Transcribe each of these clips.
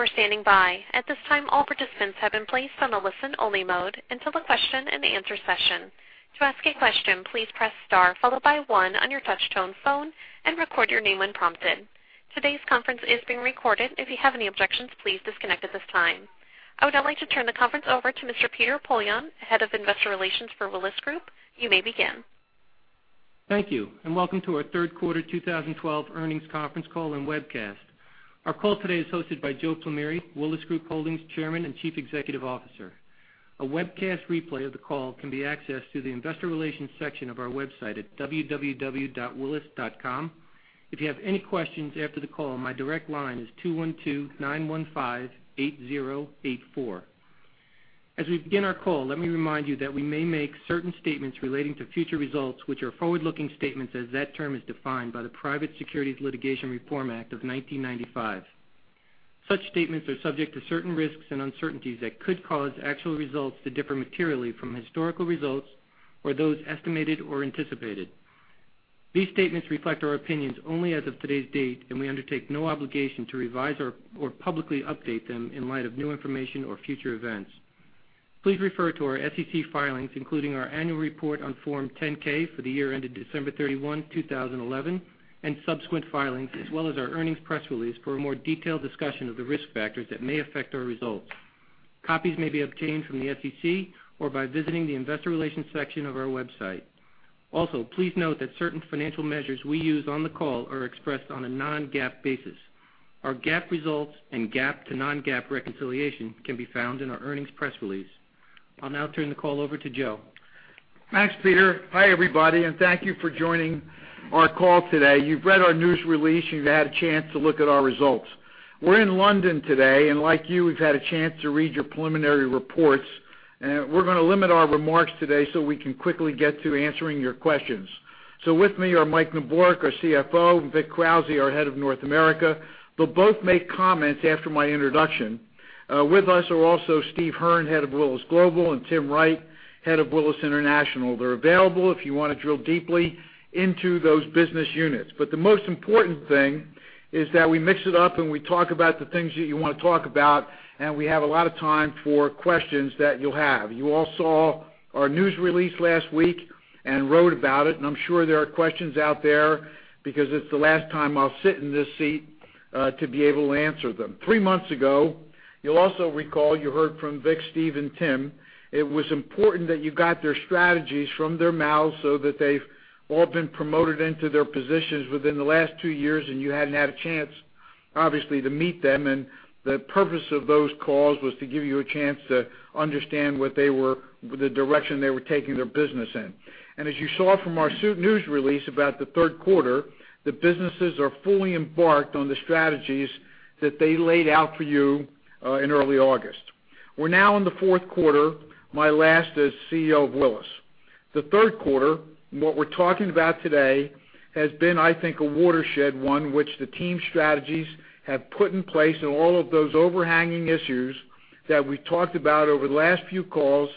Welcome. Thank you for standing by. At this time, all participants have been placed on a listen-only mode until the question and answer session. To ask a question, please press star, followed by one on your touchtone phone, and record your name when prompted. Today's conference is being recorded. If you have any objections, please disconnect at this time. I would now like to turn the conference over to Mr. Peter Poillon, Head of Investor Relations for Willis Group. You may begin. Thank you. Welcome to our third quarter 2012 earnings conference call and webcast. Our call today is hosted by Joe Plumeri, Willis Group Holdings Chairman and Chief Executive Officer. A webcast replay of the call can be accessed through the investor relations section of our website at www.willis.com. If you have any questions after the call, my direct line is 212-915-8084. As we begin our call, let me remind you that we may make certain statements relating to future results, which are forward-looking statements as that term is defined by the Private Securities Litigation Reform Act of 1995. Such statements are subject to certain risks and uncertainties that could cause actual results to differ materially from historical results or those estimated or anticipated. These statements reflect our opinions only as of today's date. We undertake no obligation to revise or publicly update them in light of new information or future events. Please refer to our SEC filings, including our annual report on Form 10-K for the year ended December 31, 2011, and subsequent filings, as well as our earnings press release, for a more detailed discussion of the risk factors that may affect our results. Copies may be obtained from the SEC or by visiting the investor relations section of our website. Also, please note that certain financial measures we use on the call are expressed on a non-GAAP basis. Our GAAP results and GAAP to non-GAAP reconciliation can be found in our earnings press release. I'll now turn the call over to Joe. Thanks, Peter. Hi, everybody. Thank you for joining our call today. You've read our news release. You've had a chance to look at our results. We're in London today. Like you, we've had a chance to read your preliminary reports. We're going to limit our remarks today so we can quickly get to answering your questions. With me are Mike Neborak, our CFO, and Vic Krauze, our head of Willis North America. They'll both make comments after my introduction. With us are also Steve Hearn, head of Willis Global, and Tim Wright, head of Willis International. They're available if you want to drill deeply into those business units. The most important thing is that we mix it up and we talk about the things that you want to talk about, and we have a lot of time for questions that you'll have. You all saw our news release last week and wrote about it. I'm sure there are questions out there because it's the last time I'll sit in this seat, to be able to answer them. Three months ago, you'll also recall, you heard from Vic, Steve, and Tim. It was important that you got their strategies from their mouths so that they've all been promoted into their positions within the last two years, and you hadn't had a chance, obviously, to meet them. The purpose of those calls was to give you a chance to understand the direction they were taking their business in. As you saw from our news release about the third quarter, the businesses are fully embarked on the strategies that they laid out for you, in early August. We're now in the fourth quarter, my last as CEO of Willis. The third quarter, and what we're talking about today, has been, I think, a watershed one, which the team strategies have put in place and all of those overhanging issues that we've talked about over the last few calls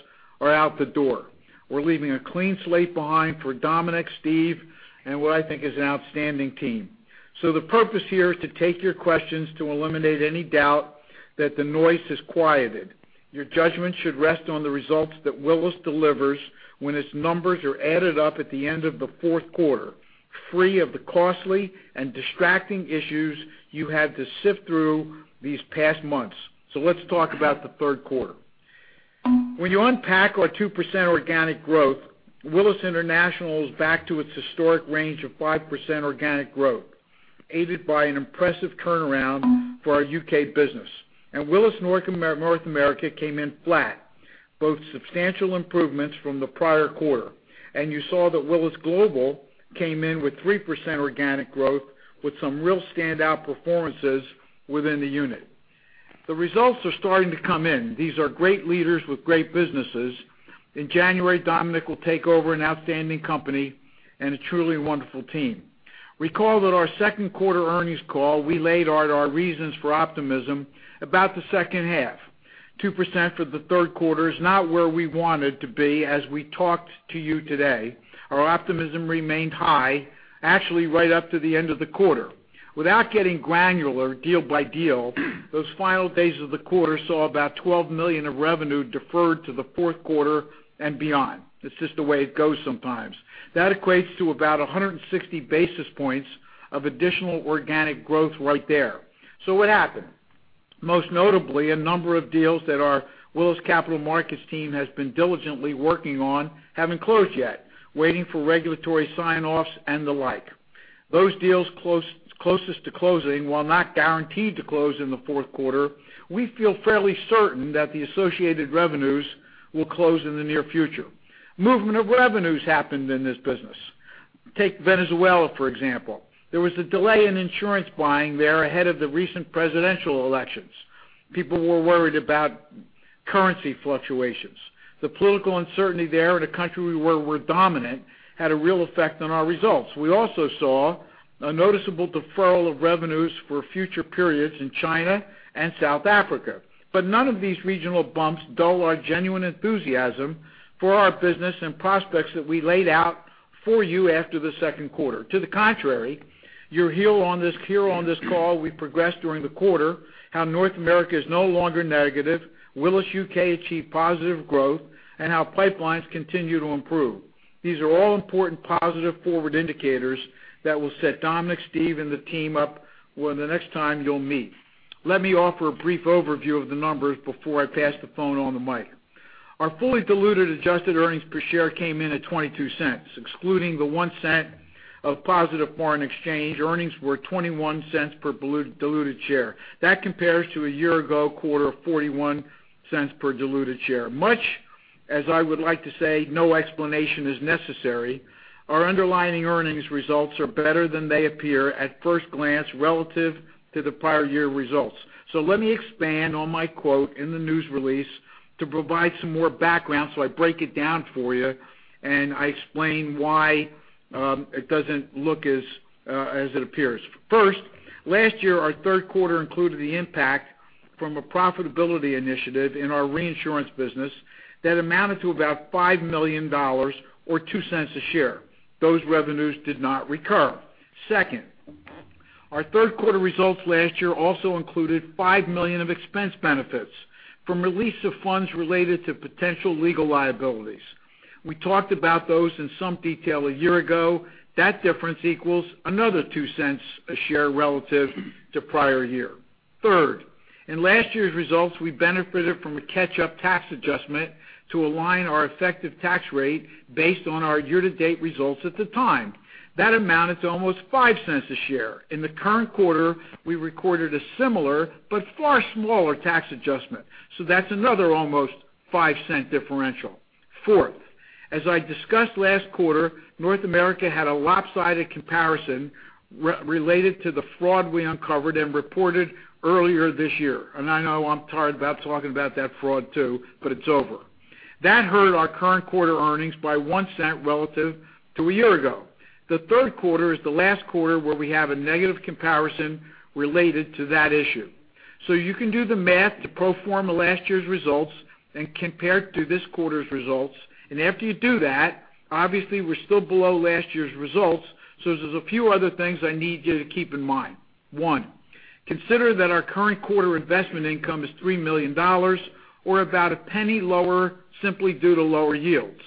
are out the door. We're leaving a clean slate behind for Dominic, Steve, and what I think is an outstanding team. The purpose here is to take your questions to eliminate any doubt that the noise has quieted. Your judgment should rest on the results that Willis delivers when its numbers are added up at the end of the fourth quarter, free of the costly and distracting issues you had to sift through these past months. Let's talk about the third quarter. When you unpack our 2% organic growth, Willis International is back to its historic range of 5% organic growth, aided by an impressive turnaround for our U.K. business. Willis North America came in flat, both substantial improvements from the prior quarter. You saw that Willis Global came in with 3% organic growth with some real standout performances within the unit. The results are starting to come in. These are great leaders with great businesses. In January, Dominic will take over an outstanding company and a truly wonderful team. Recall that our second quarter earnings call, we laid out our reasons for optimism about the second half. 2% for the third quarter is not where we wanted to be as we talked to you today. Our optimism remained high, actually right up to the end of the quarter. Without getting granular deal by deal, those final days of the quarter saw about $12 million of revenue deferred to the fourth quarter and beyond. It's just the way it goes sometimes. That equates to about 160 basis points of additional organic growth right there. What happened? Most notably, a number of deals that our Willis Capital Markets team has been diligently working on haven't closed yet, waiting for regulatory sign-offs and the like. Those deals closest to closing, while not guaranteed to close in the fourth quarter, we feel fairly certain that the associated revenues will close in the near future. Movement of revenues happened in this business. Take Venezuela, for example. There was a delay in insurance buying there ahead of the recent presidential elections. People were worried about currency fluctuations. The political uncertainty there in a country where we're dominant had a real effect on our results. We also saw a noticeable deferral of revenues for future periods in China and South Africa. None of these regional bumps dull our genuine enthusiasm for our business and prospects that we laid out for you after the second quarter. To the contrary, you'll hear on this call we progressed during the quarter how North America is no longer negative, Willis UK achieved positive growth, and how pipelines continue to improve. These are all important positive forward indicators that will set Dominic, Steve, and the team up for the next time you'll meet. Let me offer a brief overview of the numbers before I pass the phone on to Mike. Our fully diluted adjusted earnings per share came in at $0.22, excluding the $0.01 of positive foreign exchange, earnings were $0.21 per diluted share. That compares to a year ago quarter of $0.41 per diluted share. Much as I would like to say, no explanation is necessary, our underlying earnings results are better than they appear at first glance relative to the prior year results. Let me expand on my quote in the news release to provide some more background, I break it down for you and I explain why it doesn't look as it appears. First, last year, our third quarter included the impact from a profitability initiative in our reinsurance business that amounted to about $5 million or $0.02 a share. Those revenues did not recur. Second, our third quarter results last year also included $5 million of expense benefits from release of funds related to potential legal liabilities. We talked about those in some detail a year ago. That difference equals another $0.02 a share relative to prior year. Third, in last year's results, we benefited from a catch-up tax adjustment to align our effective tax rate based on our year-to-date results at the time. That amounted to almost $0.05 a share. In the current quarter, we recorded a similar but far smaller tax adjustment, that's another almost $0.05 differential. Fourth, as I discussed last quarter, North America had a lopsided comparison related to the fraud we uncovered and reported earlier this year. I know I'm tired about talking about that fraud too, but it's over. That hurt our current quarter earnings by $0.01 relative to a year ago. The third quarter is the last quarter where we have a negative comparison related to that issue. You can do the math to pro forma last year's results and compare it to this quarter's results. After you do that, obviously, we're still below last year's results. There's a few other things I need you to keep in mind. One, consider that our current quarter investment income is $3 million, or about $0.01 lower simply due to lower yields.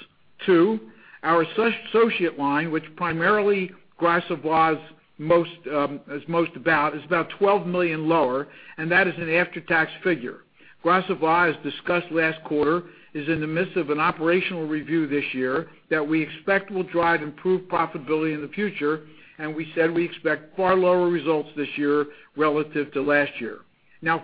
Two, our associate line, which primarily Gras Savoye is most about, is about $12 million lower, and that is an after-tax figure. Gras Savoye, as discussed last quarter, is in the midst of an operational review this year that we expect will drive improved profitability in the future, and we said we expect far lower results this year relative to last year.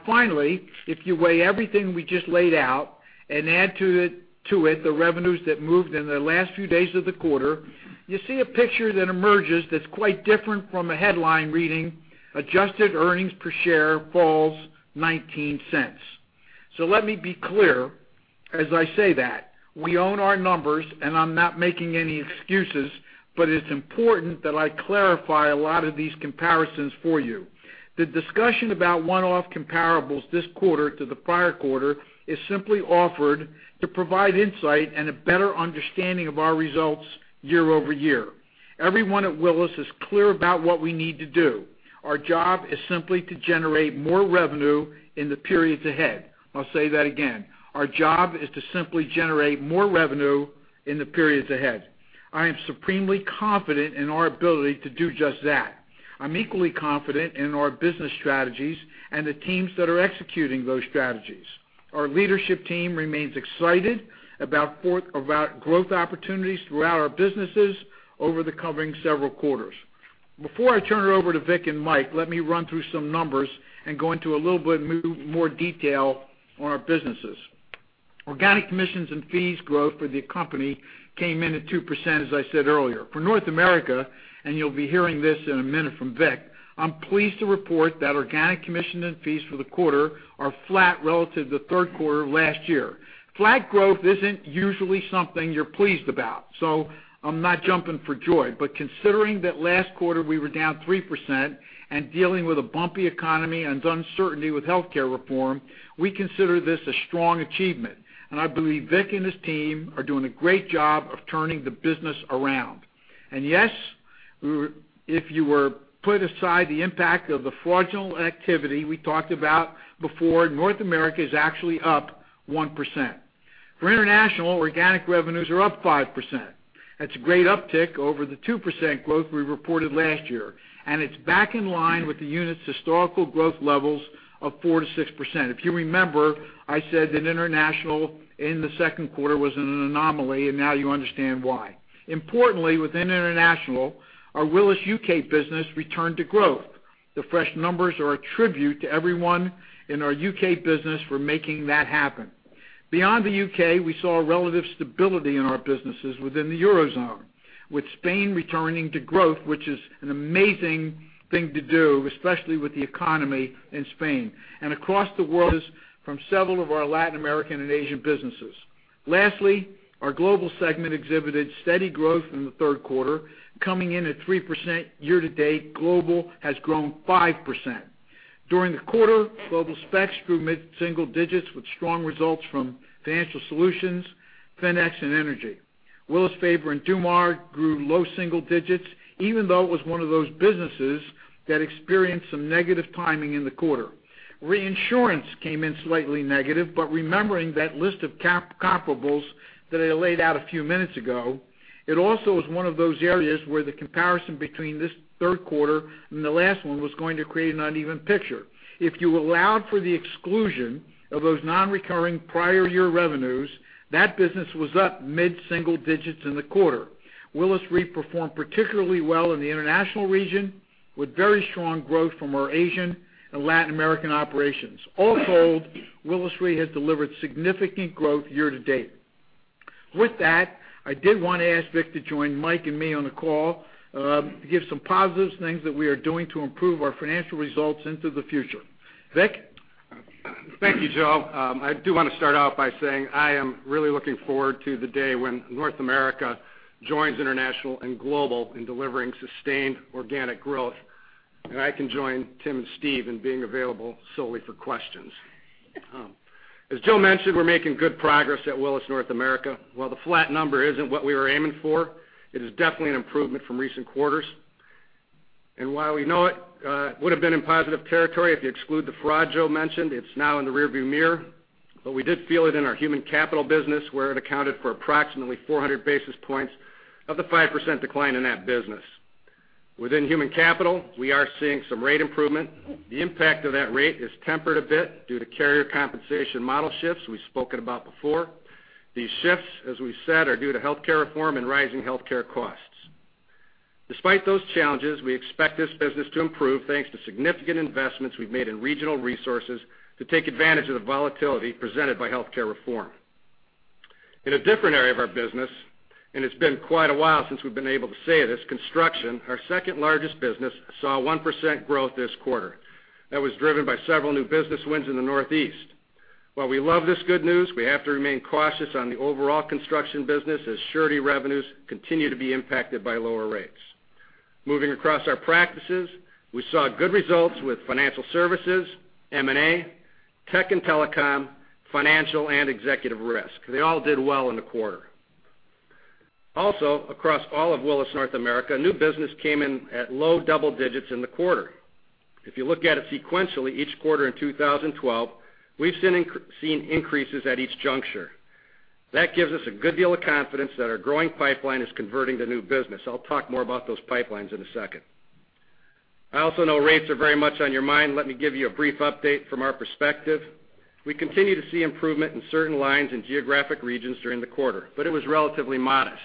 Finally, if you weigh everything we just laid out and add to it the revenues that moved in the last few days of the quarter, you see a picture that emerges that's quite different from a headline reading, "Adjusted earnings per share falls $0.19." Let me be clear as I say that. We own our numbers, and I'm not making any excuses, but it's important that I clarify a lot of these comparisons for you. The discussion about one-off comparables this quarter to the prior quarter is simply offered to provide insight and a better understanding of our results year-over-year. Everyone at Willis is clear about what we need to do. Our job is simply to generate more revenue in the periods ahead. I'll say that again. Our job is to simply generate more revenue in the periods ahead. I am supremely confident in our ability to do just that. I'm equally confident in our business strategies and the teams that are executing those strategies. Our leadership team remains excited about growth opportunities throughout our businesses over the coming several quarters. Before I turn it over to Vic and Mike, let me run through some numbers and go into a little bit more detail on our businesses. Organic commissions and fees growth for the company came in at 2%, as I said earlier. For North America, and you'll be hearing this in a minute from Vic, I'm pleased to report that organic commission and fees for the quarter are flat relative to the third quarter of last year. Flat growth isn't usually something you're pleased about, I'm not jumping for joy, but considering that last quarter we were down 3% and dealing with a bumpy economy and uncertainty with healthcare reform, we consider this a strong achievement. I believe Vic and his team are doing a great job of turning the business around. Yes, if you were to put aside the impact of the fraudulent activity we talked about before, North America is actually up 1%. For international, organic revenues are up 5%. That's a great uptick over the 2% growth we reported last year. It's back in line with the unit's historical growth levels of 4%-6%. If you remember, I said that international in the second quarter was an anomaly, and now you understand why. Importantly, within international, our Willis UK business returned to growth. The fresh numbers are a tribute to everyone in our UK business for making that happen. Beyond the UK, we saw relative stability in our businesses within the eurozone, with Spain returning to growth, which is an amazing thing to do, especially with the economy in Spain. Across the world from several of our Latin American and Asian businesses. Lastly, our global segment exhibited steady growth in the third quarter, coming in at 3%. Year-to-date, global has grown 5%. During the quarter, Global Specialties grew mid-single digits with strong results from financial solutions, FINEX, and energy. Willis, Faber & Dumas grew low single digits, even though it was one of those businesses that experienced some negative timing in the quarter. Reinsurance came in slightly negative, but remembering that list of comparables that I laid out a few minutes ago, it also is one of those areas where the comparison between this third quarter and the last one was going to create an uneven picture. If you allowed for the exclusion of those non-recurring prior year revenues, that business was up mid-single digits in the quarter. Willis Re performed particularly well in the International region, with very strong growth from our Asian and Latin American operations. All told, Willis Re has delivered significant growth year-to-date. With that, I did want to ask Vic to join Mike and me on the call to give some positives, things that we are doing to improve our financial results into the future. Vic? Thank you, Joe. I do want to start out by saying I am really looking forward to the day when North America joins International and Global in delivering sustained organic growth, and I can join Tim and Steve in being available solely for questions. As Joe mentioned, we're making good progress at Willis North America. While the flat number isn't what we were aiming for, it is definitely an improvement from recent quarters. While we know it would've been in positive territory if you exclude the fraud Joe mentioned, it's now in the rear view mirror. We did feel it in our human capital business, where it accounted for approximately 400 basis points of the 5% decline in that business. Within human capital, we are seeing some rate improvement. The impact of that rate is tempered a bit due to carrier compensation model shifts we've spoken about before. These shifts, as we've said, are due to healthcare reform and rising healthcare costs. Despite those challenges, we expect this business to improve, thanks to significant investments we've made in regional resources to take advantage of the volatility presented by healthcare reform. In a different area of our business, it's been quite a while since we've been able to say this, construction, our second-largest business, saw 1% growth this quarter. That was driven by several new business wins in the Northeast. While we love this good news, we have to remain cautious on the overall construction business as surety revenues continue to be impacted by lower rates. Moving across our practices, we saw good results with financial services, M&A, tech and telecom, financial, and executive risk. They all did well in the quarter. Across all of Willis North America, new business came in at low double digits in the quarter. If you look at it sequentially each quarter in 2012, we've seen increases at each juncture. That gives us a good deal of confidence that our growing pipeline is converting to new business. I'll talk more about those pipelines in a second. I also know rates are very much on your mind. Let me give you a brief update from our perspective. We continue to see improvement in certain lines and geographic regions during the quarter, but it was relatively modest.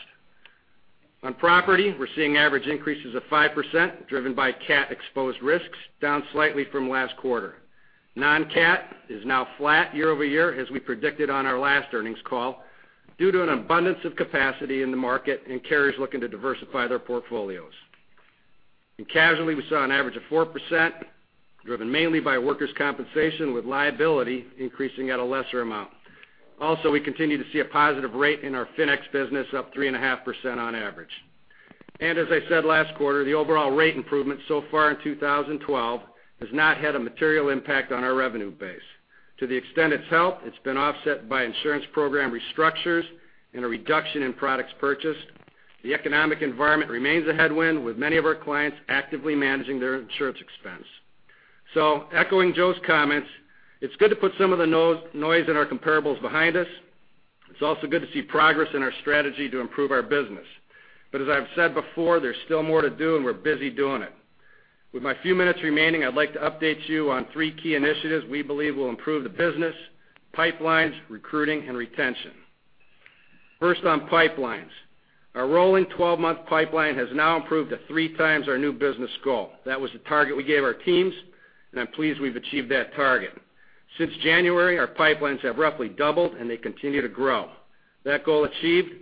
On property, we're seeing average increases of 5%, driven by cat exposed risks, down slightly from last quarter. Non-cat is now flat year-over-year, as we predicted on our last earnings call, due to an abundance of capacity in the market and carriers looking to diversify their portfolios. In casualty, we saw an average of 4%, driven mainly by workers' compensation, with liability increasing at a lesser amount. We continue to see a positive rate in our FINEX business, up 3.5% on average. As I said last quarter, the overall rate improvement so far in 2012 has not had a material impact on our revenue base. To the extent it's helped, it's been offset by insurance program restructures and a reduction in products purchased. The economic environment remains a headwind, with many of our clients actively managing their insurance expense. Echoing Joe's comments, it's good to put some of the noise in our comparables behind us. It's also good to see progress in our strategy to improve our business. As I've said before, there's still more to do, and we're busy doing it. With my few minutes remaining, I'd like to update you on three key initiatives we believe will improve the business, pipelines, recruiting, and retention. First, on pipelines. Our rolling 12-month pipeline has now improved to three times our new business goal. That was the target we gave our teams, and I'm pleased we've achieved that target. Since January, our pipelines have roughly doubled, and they continue to grow. That goal achieved,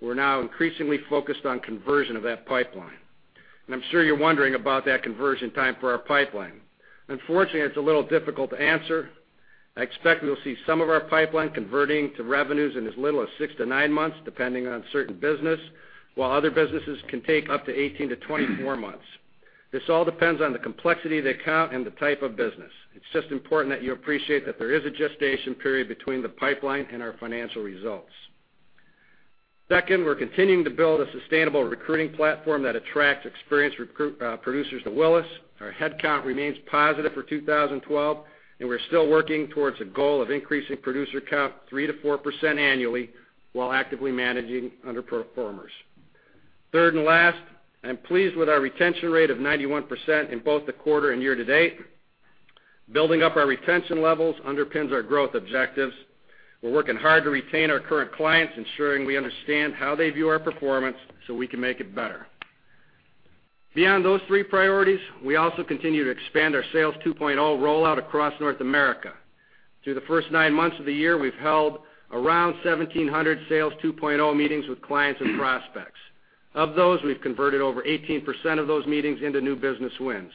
we're now increasingly focused on conversion of that pipeline. I'm sure you're wondering about that conversion time for our pipeline. Unfortunately, it's a little difficult to answer. I expect we'll see some of our pipeline converting to revenues in as little as six to nine months, depending on certain business, while other businesses can take up to 18-24 months. This all depends on the complexity of the account and the type of business. It's just important that you appreciate that there is a gestation period between the pipeline and our financial results. Second, we're continuing to build a sustainable recruiting platform that attracts experienced producers to Willis. Our headcount remains positive for 2012, and we're still working towards a goal of increasing producer count 3%-4% annually while actively managing underperformers. Third and last, I'm pleased with our retention rate of 91% in both the quarter and year to date. Building up our retention levels underpins our growth objectives. We're working hard to retain our current clients, ensuring we understand how they view our performance so we can make it better. Beyond those three priorities, we also continue to expand our Sales 2.0 rollout across North America. Through the first nine months of the year, we've held around 1,700 Sales 2.0 meetings with clients and prospects. Of those, we've converted over 18% of those meetings into new business wins.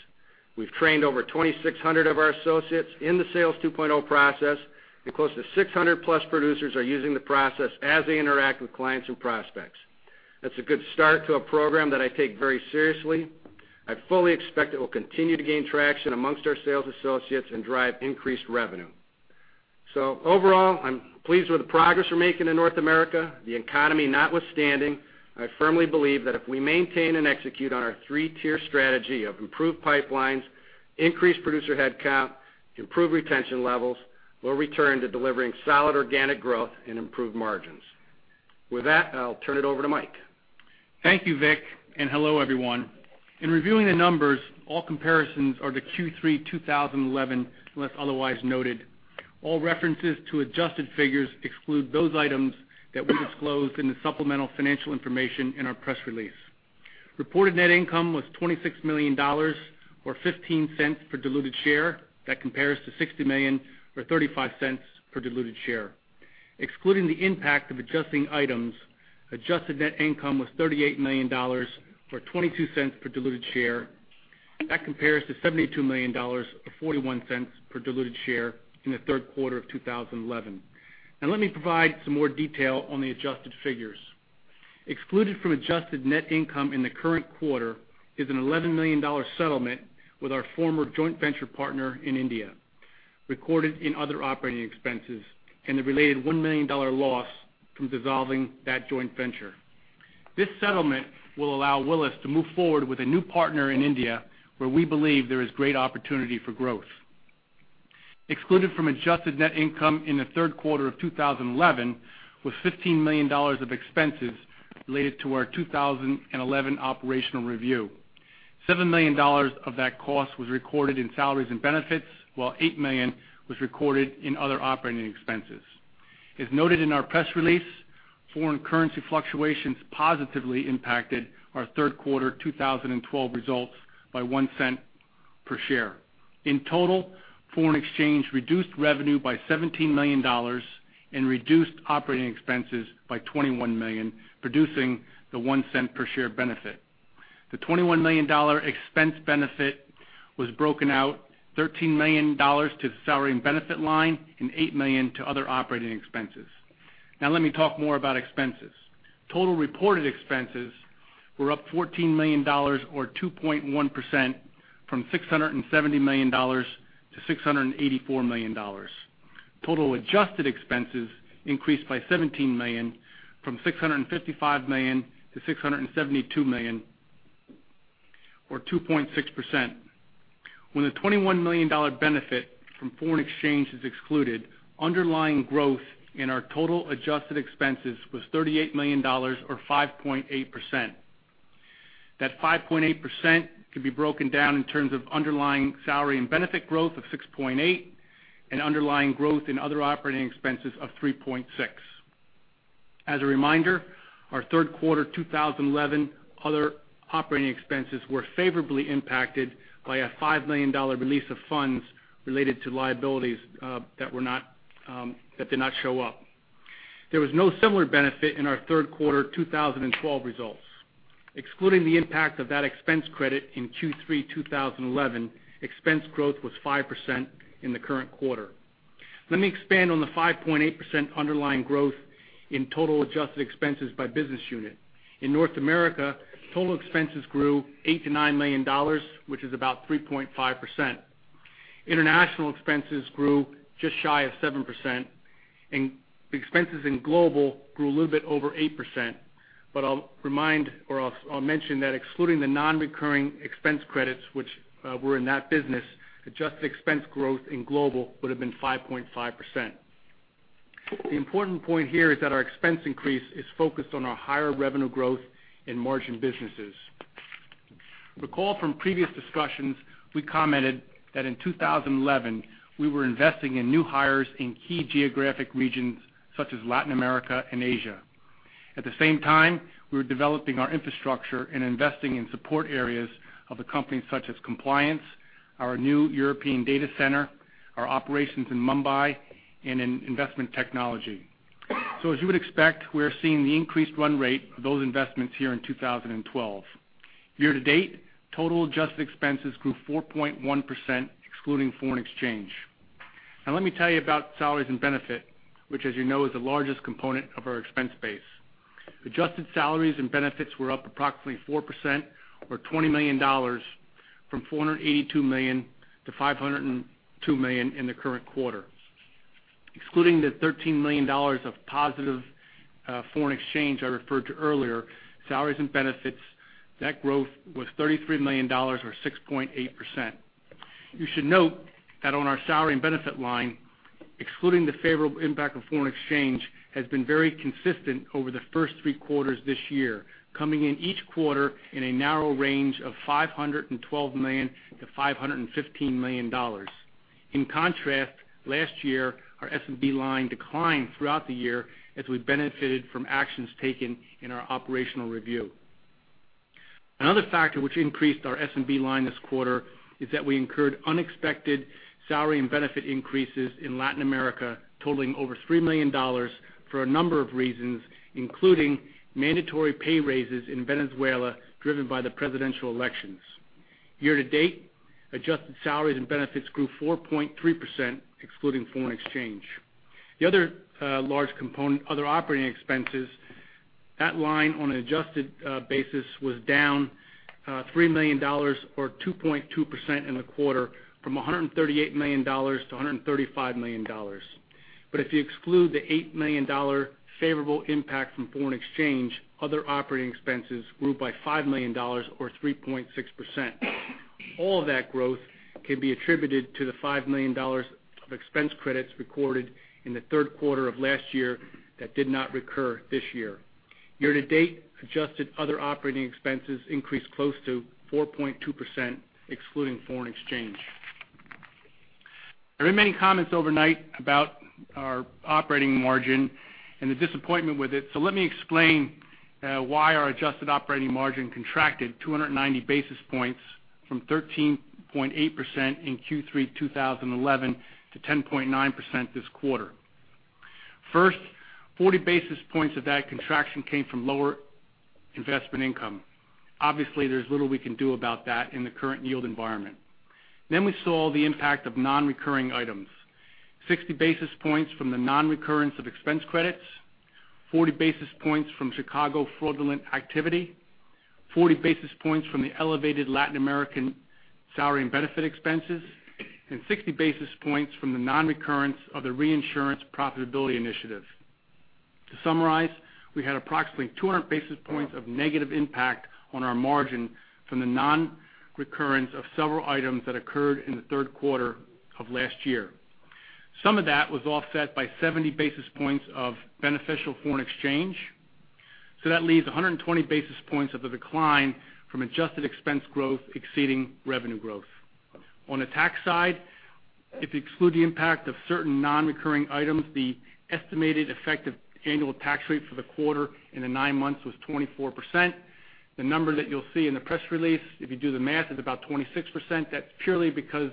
We've trained over 2,600 of our associates in the Sales 2.0 process, and close to 600-plus producers are using the process as they interact with clients and prospects. That's a good start to a program that I take very seriously. I fully expect it will continue to gain traction amongst our sales associates and drive increased revenue. Overall, I'm pleased with the progress we're making in North America. The economy notwithstanding, I firmly believe that if we maintain and execute on our 3-tier strategy of improved pipelines, increased producer headcount, improved retention levels, we'll return to delivering solid organic growth and improved margins. With that, I'll turn it over to Mike. Thank you, Vic, and hello, everyone. In reviewing the numbers, all comparisons are to Q3 2011, unless otherwise noted. All references to adjusted figures exclude those items that we disclosed in the supplemental financial information in our press release. Reported net income was $26 million, or $0.15 per diluted share. That compares to $60 million or $0.35 per diluted share. Excluding the impact of adjusting items, adjusted net income was $38 million, or $0.22 per diluted share. That compares to $72 million, or $0.41 per diluted share in the third quarter of 2011. Let me provide some more detail on the adjusted figures. Excluded from adjusted net income in the current quarter is an $11 million settlement with our former joint venture partner in India, recorded in other operating expenses, and the related $1 million loss from dissolving that joint venture. This settlement will allow Willis to move forward with a new partner in India, where we believe there is great opportunity for growth. Excluded from adjusted net income in the third quarter of 2011 was $15 million of expenses related to our 2011 operational review. $7 million of that cost was recorded in salaries and benefits, while $8 million was recorded in other operating expenses. As noted in our press release, foreign currency fluctuations positively impacted our third quarter 2012 results by $0.01 per share. In total, foreign exchange reduced revenue by $17 million and reduced operating expenses by $21 million, producing the $0.01 per share benefit. The $21 million expense benefit was broken out $13 million to the salary and benefit line and $8 million to other operating expenses. Let me talk more about expenses. Total reported expenses were up $14 million, or 2.1%, from $670 million to $684 million. Total adjusted expenses increased by $17 million, from $655 million to $672 million, or 2.6%. When the $21 million benefit from foreign exchange is excluded, underlying growth in our total adjusted expenses was $38 million, or 5.8%. That 5.8% can be broken down in terms of underlying salary and benefit growth of 6.8% and underlying growth in other operating expenses of 3.6%. As a reminder, our third quarter 2011 other operating expenses were favorably impacted by a $5 million release of funds related to liabilities that did not show up. There was no similar benefit in our third quarter 2012 results. Excluding the impact of that expense credit in Q3 2011, expense growth was 5% in the current quarter. Let me expand on the 5.8% underlying growth in total adjusted expenses by business unit. In North America, total expenses grew $8 million to $9 million, which is about 3.5%. International expenses grew just shy of 7%, and expenses in global grew a little bit over 8%. I'll remind or I'll mention that excluding the non-recurring expense credits which were in that business, adjusted expense growth in global would have been 5.5%. The important point here is that our expense increase is focused on our higher revenue growth in margin businesses. Recall from previous discussions, we commented that in 2011, we were investing in new hires in key geographic regions such as Latin America and Asia. At the same time, we were developing our infrastructure and investing in support areas of the company such as compliance, our new European data center, our operations in Mumbai, and in investment technology. As you would expect, we're seeing the increased run rate of those investments here in 2012. Year to date, total adjusted expenses grew 4.1%, excluding foreign exchange. Let me tell you about salaries and benefit, which as you know, is the largest component of our expense base. Adjusted salaries and benefits were up approximately 4%, or $20 million, from $482 million to $502 million in the current quarter. Excluding the $13 million of positive foreign exchange I referred to earlier, salaries and benefits, net growth was $33 million, or 6.8%. You should note that on our salary and benefit line, excluding the favorable impact of foreign exchange, has been very consistent over the first three quarters this year, coming in each quarter in a narrow range of $512 million to $515 million. In contrast, last year, our S&B line declined throughout the year as we benefited from actions taken in our operational review. Another factor which increased our S&B line this quarter is that we incurred unexpected salary and benefit increases in Latin America totaling over $3 million for a number of reasons, including mandatory pay raises in Venezuela driven by the presidential elections. Year to date, adjusted salaries and benefits grew 4.3%, excluding foreign exchange. The other large component, other operating expenses. That line on an adjusted basis was down $3 million or 2.2% in the quarter from $138 million to $135 million. If you exclude the $8 million favorable impact from foreign exchange, other operating expenses grew by $5 million or 3.6%. All of that growth can be attributed to the $5 million of expense credits recorded in the third quarter of last year that did not recur this year. Year to date, adjusted other operating expenses increased close to 4.2%, excluding foreign exchange. There have been many comments overnight about our operating margin and the disappointment with it. Let me explain why our adjusted operating margin contracted 290 basis points from 13.8% in Q3 2011 to 10.9% this quarter. First, 40 basis points of that contraction came from lower investment income. Obviously, there's little we can do about that in the current yield environment. We saw the impact of non-recurring items, 60 basis points from the non-recurrence of expense credits, 40 basis points from Chicago fraudulent activity, 40 basis points from the elevated Latin American salary and benefit expenses, and 60 basis points from the non-recurrence of the reinsurance profitability initiative. To summarize, we had approximately 200 basis points of negative impact on our margin from the non-recurrence of several items that occurred in the third quarter of last year. Some of that was offset by 70 basis points of beneficial foreign exchange. That leaves 120 basis points of the decline from adjusted expense growth exceeding revenue growth. On the tax side, if you exclude the impact of certain non-recurring items, the estimated effective annual tax rate for the quarter and the nine months was 24%. The number that you'll see in the press release, if you do the math, is about 26%. That's purely because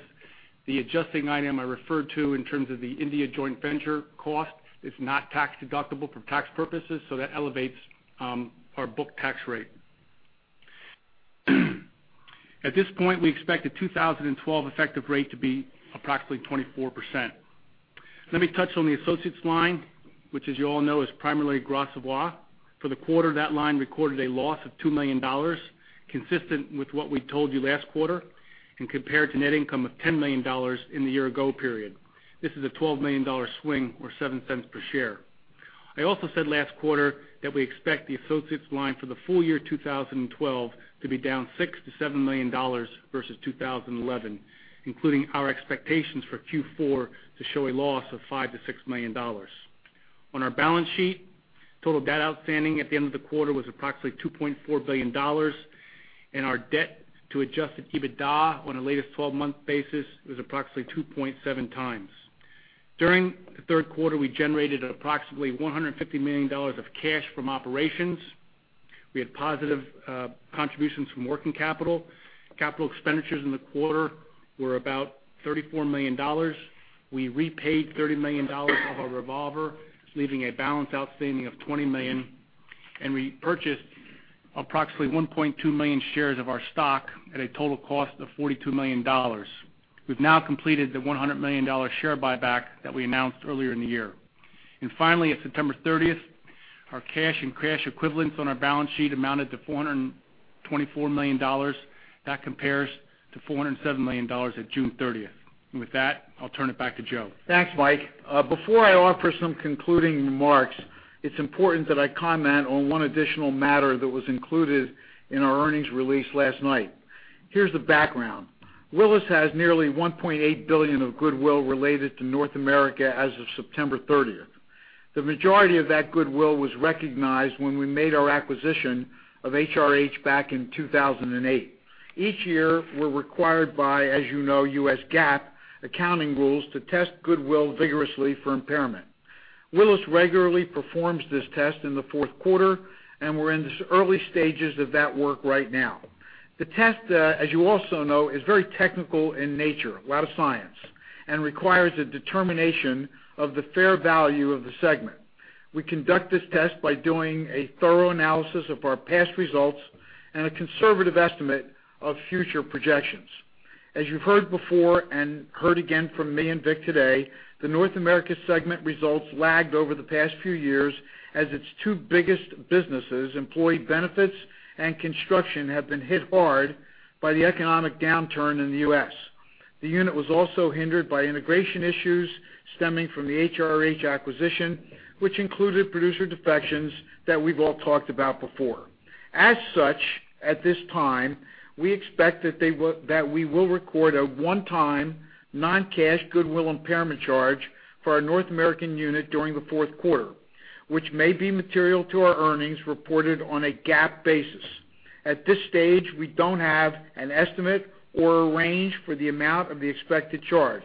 the adjusting item I referred to in terms of the India joint venture cost is not tax-deductible for tax purposes, that elevates our book tax rate. At this point, we expect the 2012 effective rate to be approximately 24%. Let me touch on the associates line, which, as you all know, is primarily Gras Savoye. For the quarter, that line recorded a loss of $2 million, consistent with what we told you last quarter, compared to net income of $10 million in the year ago period. This is a $12 million swing or $0.07 per share. I also said last quarter that we expect the associates line for the full year 2012 to be down $6 million to $7 million versus 2011, including our expectations for Q4 to show a loss of $5 million to $6 million. On our balance sheet, total debt outstanding at the end of the quarter was approximately $2.4 billion, our debt to adjusted EBITDA on a latest 12-month basis was approximately 2.7 times. During the third quarter, we generated approximately $150 million of cash from operations. We had positive contributions from working capital. Capital expenditures in the quarter were about $34 million. We repaid $30 million of our revolver, leaving a balance outstanding of $20 million, we purchased approximately 1.2 million shares of our stock at a total cost of $42 million. We've now completed the $100 million share buyback that we announced earlier in the year. Finally, at September 30th, our cash and cash equivalents on our balance sheet amounted to $424 million. That compares to $407 million at June 30th. With that, I'll turn it back to Joe. Thanks, Mike. Before I offer some concluding remarks, it's important that I comment on one additional matter that was included in our earnings release last night. Here's the background. Willis has nearly $1.8 billion of goodwill related to North America as of September 30th. The majority of that goodwill was recognized when we made our acquisition of HRH back in 2008. Each year, we're required by, as you know, U.S. GAAP accounting rules to test goodwill vigorously for impairment. Willis regularly performs this test in the fourth quarter, we're in the early stages of that work right now. The test, as you also know, is very technical in nature, a lot of science, requires a determination of the fair value of the segment. We conduct this test by doing a thorough analysis of our past results a conservative estimate of future projections. As you've heard before and heard again from me and Vic today, the North America segment results lagged over the past few years as its two biggest businesses, employee benefits and construction, have been hit hard by the economic downturn in the U.S. The unit was also hindered by integration issues stemming from the HRH acquisition, which included producer defections that we've all talked about before. As such, at this time, we expect that we will record a one-time non-cash goodwill impairment charge for our North American unit during the fourth quarter, which may be material to our earnings reported on a GAAP basis. At this stage, we don't have an estimate or a range for the amount of the expected charge.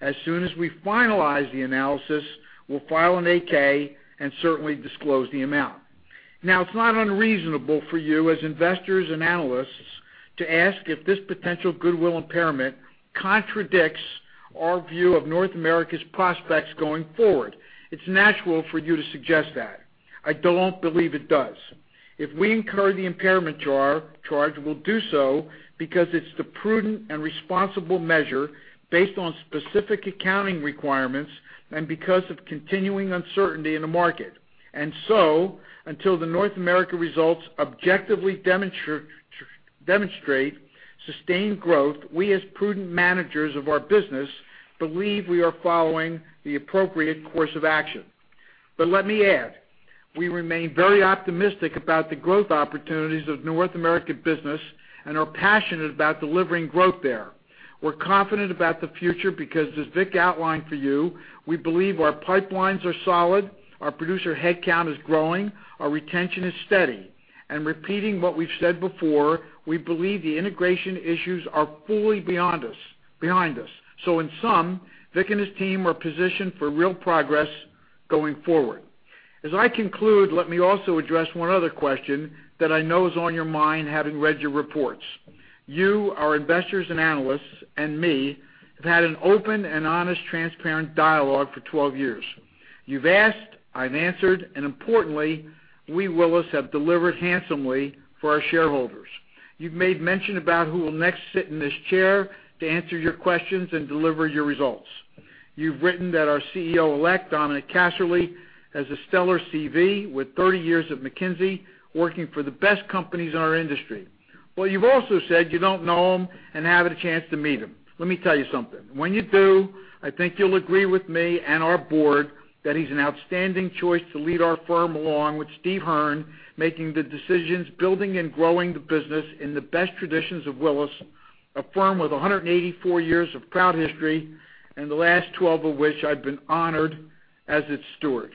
As soon as we finalize the analysis, we'll file an 8-K and certainly disclose the amount. It's not unreasonable for you as investors and analysts to ask if this potential goodwill impairment contradicts our view of North America's prospects going forward. It's natural for you to suggest that. I don't believe it does. If we incur the impairment charge, we'll do so because it's the prudent and responsible measure based on specific accounting requirements and because of continuing uncertainty in the market. Until the North America results objectively demonstrate sustained growth, we, as prudent managers of our business, believe we are following the appropriate course of action. Let me add, we remain very optimistic about the growth opportunities of North American business and are passionate about delivering growth there. We're confident about the future because as Vic outlined for you, we believe our pipelines are solid, our producer headcount is growing, our retention is steady. Repeating what we've said before, we believe the integration issues are fully behind us. In sum, Vic and his team are positioned for real progress going forward. As I conclude, let me also address one other question that I know is on your mind, having read your reports. You, our investors and analysts, and me, have had an open and honest, transparent dialogue for 12 years. You've asked, I've answered, and importantly, we, Willis, have delivered handsomely for our shareholders. You've made mention about who will next sit in this chair to answer your questions and deliver your results. You've written that our CEO-elect, Dominic Casserley, has a stellar CV with 30 years at McKinsey, working for the best companies in our industry. You've also said you don't know him and haven't had a chance to meet him. Let me tell you something. When you do, I think you'll agree with me and our board that he's an outstanding choice to lead our firm, along with Steve Hearn, making the decisions, building and growing the business in the best traditions of Willis, a firm with 184 years of proud history, and the last 12 of which I've been honored as its steward.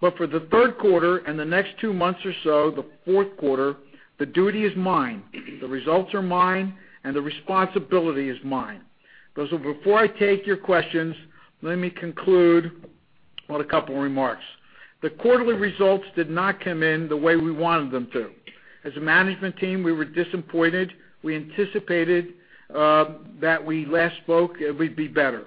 For the third quarter and the next 2 months or so, the fourth quarter, the duty is mine, the results are mine, and the responsibility is mine. Before I take your questions, let me conclude with a couple of remarks. The quarterly results did not come in the way we wanted them to. As a management team, we were disappointed. We anticipated that we last spoke, it would be better.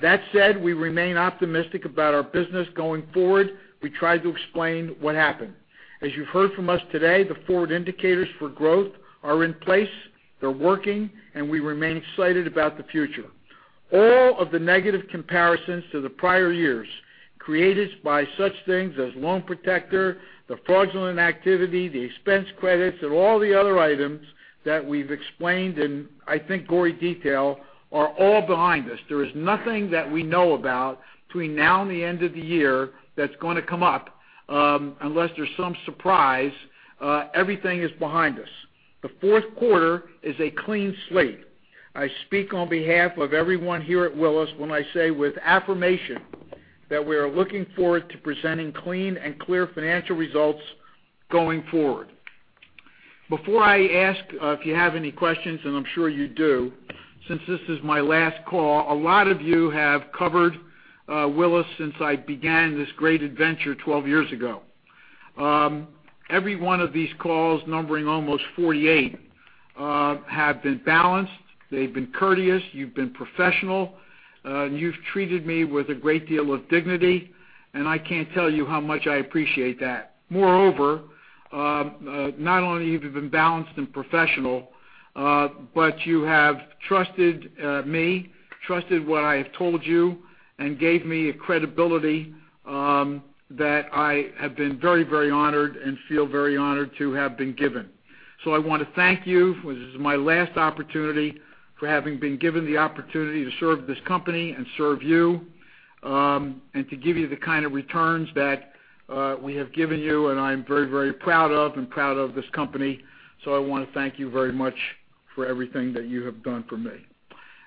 That said, we remain optimistic about our business going forward. We tried to explain what happened. As you've heard from us today, the forward indicators for growth are in place, they're working, and we remain excited about the future. All of the negative comparisons to the prior years, created by such things as Loan Protector, the fraudulent activity, the expense credits, and all the other items that we've explained in, I think, gory detail, are all behind us. There is nothing that we know about between now and the end of the year that's going to come up. Unless there's some surprise, everything is behind us. The fourth quarter is a clean slate. I speak on behalf of everyone here at Willis when I say with affirmation that we are looking forward to presenting clean and clear financial results going forward. Before I ask if you have any questions, and I'm sure you do, since this is my last call, a lot of you have covered Willis since I began this great adventure 12 years ago. Every one of these calls, numbering almost 48, have been balanced, they've been courteous, you've been professional, and you've treated me with a great deal of dignity, and I can't tell you how much I appreciate that. Moreover, not only have you been balanced and professional, but you have trusted me, trusted what I have told you, and gave me a credibility that I have been very honored and feel very honored to have been given. I want to thank you, this is my last opportunity, for having been given the opportunity to serve this company and serve you, and to give you the kind of returns that we have given you, and I'm very proud of, and proud of this company. I want to thank you very much for everything that you have done for me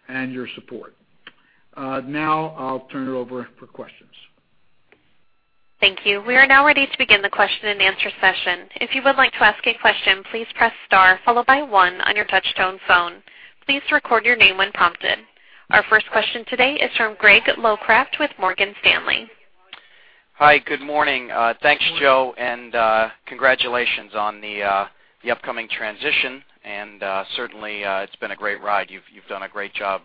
and your support. Now, I'll turn it over for questions. Thank you. We are now ready to begin the question and answer session. If you would like to ask a question, please press star followed by one on your touchtone phone. Please record your name when prompted. Our first question today is from Greg Locraft with Morgan Stanley. Hi. Good morning. Thanks, Joe, and congratulations on the upcoming transition. Certainly, it's been a great ride. You've done a great job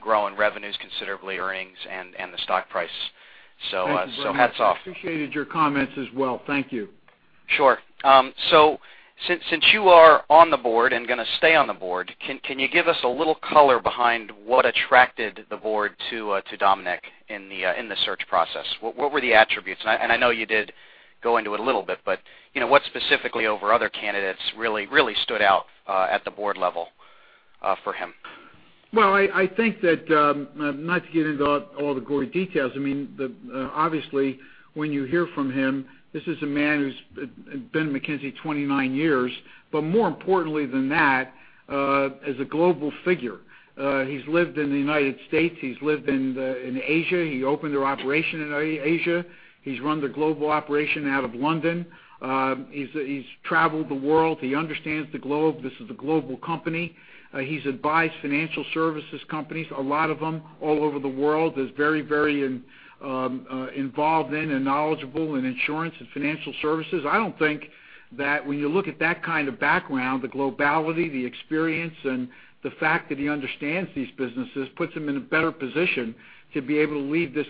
growing revenues considerably, earnings, and the stock price. Hats off. Thank you very much. Appreciated your comments as well. Thank you. Sure. Since you are on the board and going to stay on the board, can you give us a little color behind what attracted the board to Dominic in the search process? What were the attributes? I know you did go into it a little bit, but what specifically over other candidates really stood out at the board level for him? Well, I think that, not to get into all the gory details, obviously, when you hear from him, this is a man who's been in McKinsey 29 years, but more importantly than that, is a global figure. He's lived in the United States, he's lived in Asia. He opened their operation in Asia. He's run the global operation out of London. He's traveled the world. He understands the globe. This is a global company. He's advised financial services companies, a lot of them all over the world. He's very involved in and knowledgeable in insurance and financial services. That when you look at that kind of background, the globality, the experience, and the fact that he understands these businesses, puts him in a better position to be able to lead this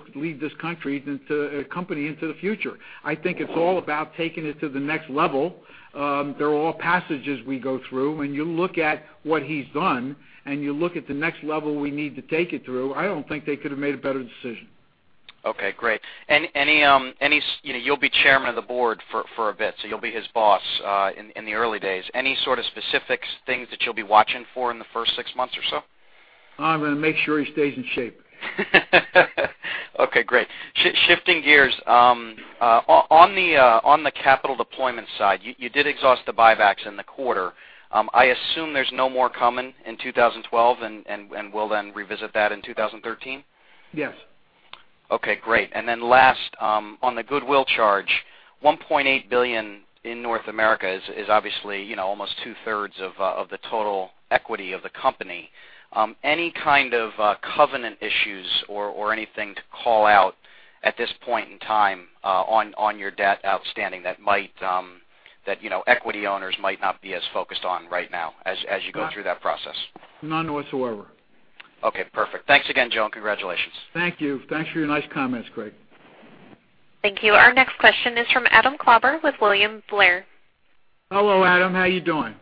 company into the future. I think it's all about taking it to the next level. They're all passages we go through. When you look at what he's done and you look at the next level we need to take it through, I don't think they could have made a better decision. Okay, great. You'll be chairman of the board for a bit, so you'll be his boss in the early days. Any sort of specific things that you'll be watching for in the first six months or so? I'm going to make sure he stays in shape. Okay, great. Shifting gears, on the capital deployment side, you did exhaust the buybacks in the quarter. I assume there's no more coming in 2012, and we'll then revisit that in 2013? Yes. Okay, great. Last, on the goodwill charge, $1.8 billion in North America is obviously, almost two-thirds of the total equity of the company. Any kind of covenant issues or anything to call out at this point in time on your debt outstanding that equity owners might not be as focused on right now as you go through that process? None whatsoever. Okay, perfect. Thanks again, Joe. Congratulations. Thank you. Thanks for your nice comments, Greg Locraft. Thank you. Our next question is from Adam Klauber with William Blair. Hello, Adam. How are you doing?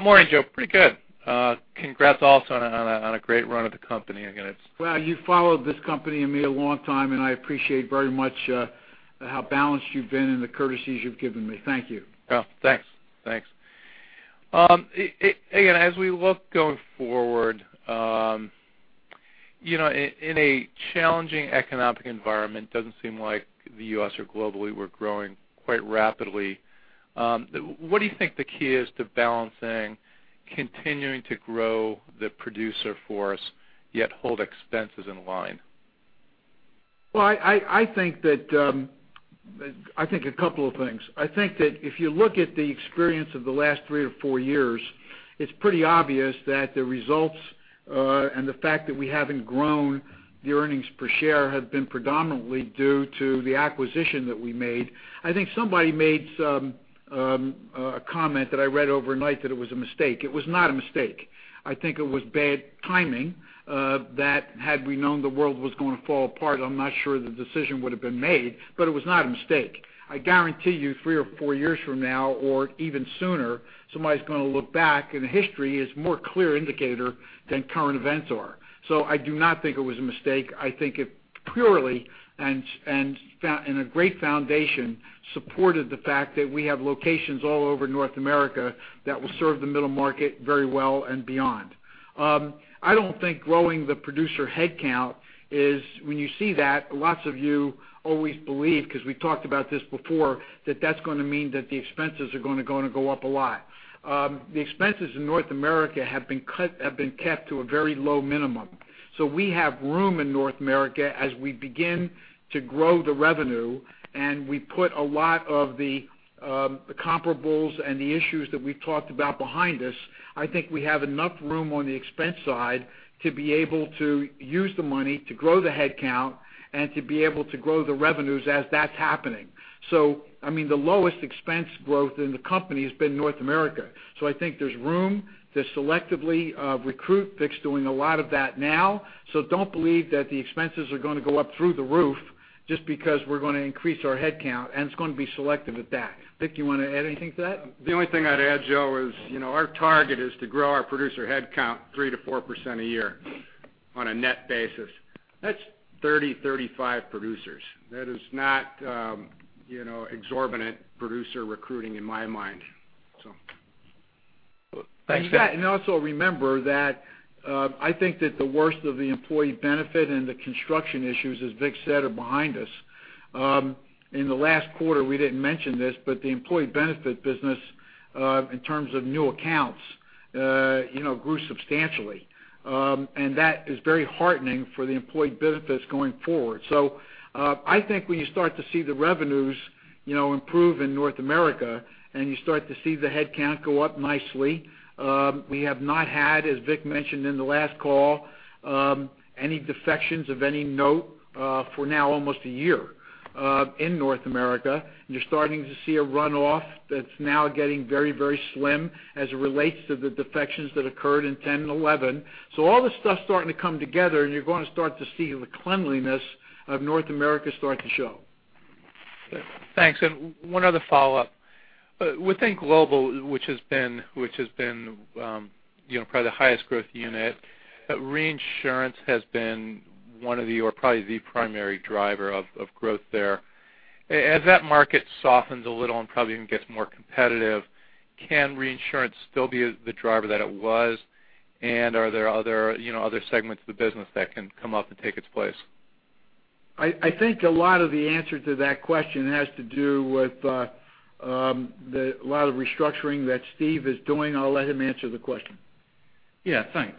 Morning, Joe. Pretty good. Congrats also on a great run of the company. Well, you followed this company and me a long time, and I appreciate very much how balanced you've been and the courtesies you've given me. Thank you. Yeah, thanks. Again, as we look going forward, in a challenging economic environment, doesn't seem like the U.S. or globally, we're growing quite rapidly. What do you think the key is to balancing continuing to grow the producer force, yet hold expenses in line? Well, I think a couple of things. I think that if you look at the experience of the last three or four years, it's pretty obvious that the results and the fact that we haven't grown the earnings per share have been predominantly due to the acquisition that we made. I think somebody made a comment that I read overnight that it was a mistake. It was not a mistake. I guarantee you, three or four years from now or even sooner, somebody's going to look back, and history is a more clear indicator than current events are. I do not think it was a mistake. I think it purely, and a great foundation, supported the fact that we have locations all over North America that will serve the middle market very well and beyond. I don't think growing the producer headcount is when you see that, lots of you always believe, because we've talked about this before, that that's going to mean that the expenses are going to go up a lot. The expenses in North America have been kept to a very low minimum. We have room in North America as we begin to grow the revenue, and we put a lot of the comparables and the issues that we've talked about behind us. I think we have enough room on the expense side to be able to use the money to grow the headcount and to be able to grow the revenues as that's happening. The lowest expense growth in the company has been North America. I think there's room to selectively recruit. Vic's doing a lot of that now. Don't believe that the expenses are going to go up through the roof just because we're going to increase our headcount, and it's going to be selective at that. Vic, you want to add anything to that? The only thing I'd add, Joe, is, our target is to grow our producer headcount 3%-4% a year on a net basis. That's 30, 35 producers. That is not exorbitant producer recruiting in my mind, so. Thanks. Also remember that I think that the worst of the employee benefit and the construction issues, as Vic said, are behind us. In the last quarter, we didn't mention this, but the employee benefit business, in terms of new accounts, grew substantially. That is very heartening for the employee benefits going forward. I think when you start to see the revenues improve in North America, and you start to see the headcount go up nicely, we have not had, as Vic mentioned in the last call, any defections of any note for now almost a year in North America. You're starting to see a runoff that's now getting very slim as it relates to the defections that occurred in 2010 and 2011. All this stuff's starting to come together, and you're going to start to see the cleanliness of North America start to show. Thanks. One other follow-up. Within Global, which has been probably the highest growth unit, reinsurance has been one of the, or probably the primary driver of growth there. As that market softens a little and probably even gets more competitive, can reinsurance still be the driver that it was? Are there other segments of the business that can come up and take its place? I think a lot of the answer to that question has to do with a lot of restructuring that Steve is doing. I'll let him answer the question. Yeah. Thanks,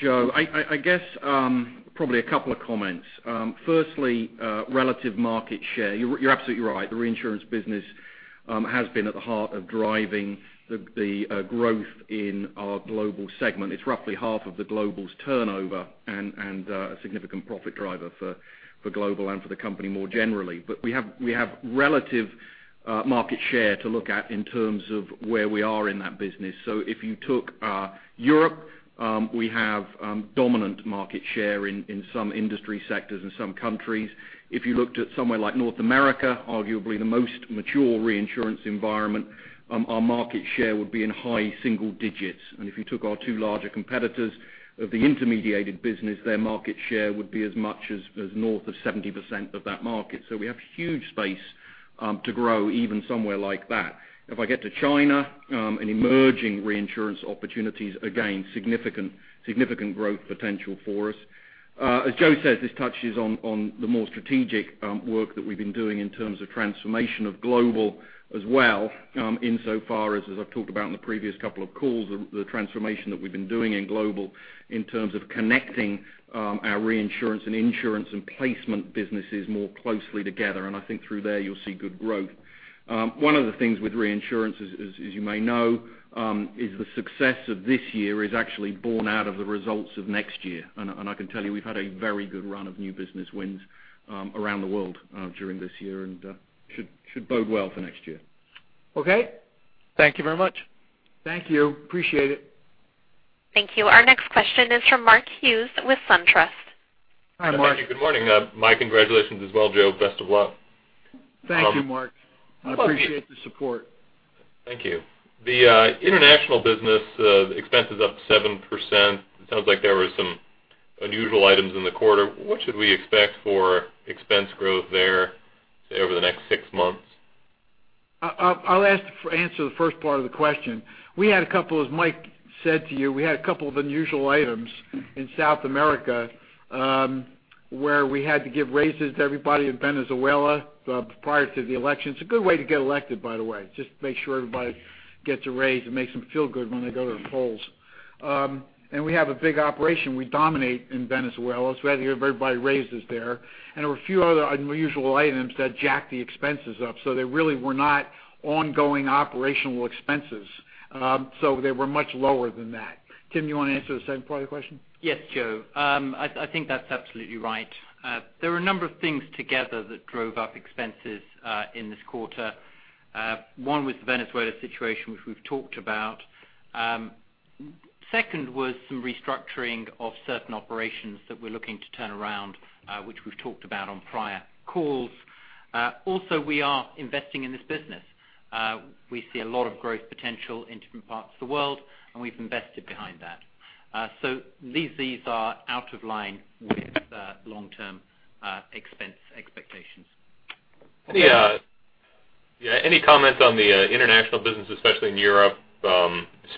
Joe. I guess, probably a couple of comments. Firstly, relative market share. You're absolutely right, the reinsurance business has been at the heart of driving the growth in our Willis Global segment. It's roughly half of the Willis Global's turnover and a significant profit driver for Willis Global and for the company more generally. We have relative market share to look at in terms of where we are in that business. If you took Europe, we have dominant market share in some industry sectors and some countries. If you looked at somewhere like Willis North America, arguably the most mature reinsurance environment, our market share would be in high single digits. If you took our two larger competitors of the intermediated business, their market share would be as much as north of 70% of that market. We have huge space to grow, even somewhere like that. If I get to China, an emerging reinsurance opportunities, again, significant growth potential for us. As Joe says, this touches on the more strategic work that we've been doing in terms of transformation of Willis Global as well, in so far as I've talked about in the previous couple of calls, the transformation that we've been doing in Willis Global in terms of connecting our reinsurance and insurance and placement businesses more closely together, and I think through there you'll see good growth. One of the things with reinsurance, as you may know, is the success of this year is actually born out of the results of next year. I can tell you, we've had a very good run of new business wins around the world during this year and should bode well for next year. Okay. Thank you very much. Thank you. Appreciate it. Thank you. Our next question is from Mark Hughes with SunTrust. Hi, Mark. Hi, Mark. Good morning. My congratulations as well, Joe. Best of luck. Thank you, Mark. I appreciate the support. Thank you. The international business, the expense is up 7%. It sounds like there were some unusual items in the quarter. What should we expect for expense growth there, say, over the next six months? I'll answer the first part of the question. As Mike said to you, we had a couple of unusual items in South America, where we had to give raises to everybody in Venezuela prior to the election. It's a good way to get elected, by the way, just make sure everybody gets a raise. It makes them feel good when they go to the polls. We have a big operation. We dominate in Venezuela, so we had to give everybody raises there. There were a few other unusual items that jacked the expenses up, so they really were not ongoing operational expenses. They were much lower than that. Tim, you want to answer the second part of the question? Yes, Joe. I think that's absolutely right. There were a number of things together that drove up expenses in this quarter. One was the Venezuela situation, which we've talked about. Second was some restructuring of certain operations that we're looking to turn around, which we've talked about on prior calls. We are investing in this business. We see a lot of growth potential in different parts of the world, and we've invested behind that. These are out of line with long-term expense expectations. Any comments on the international business, especially in Europe?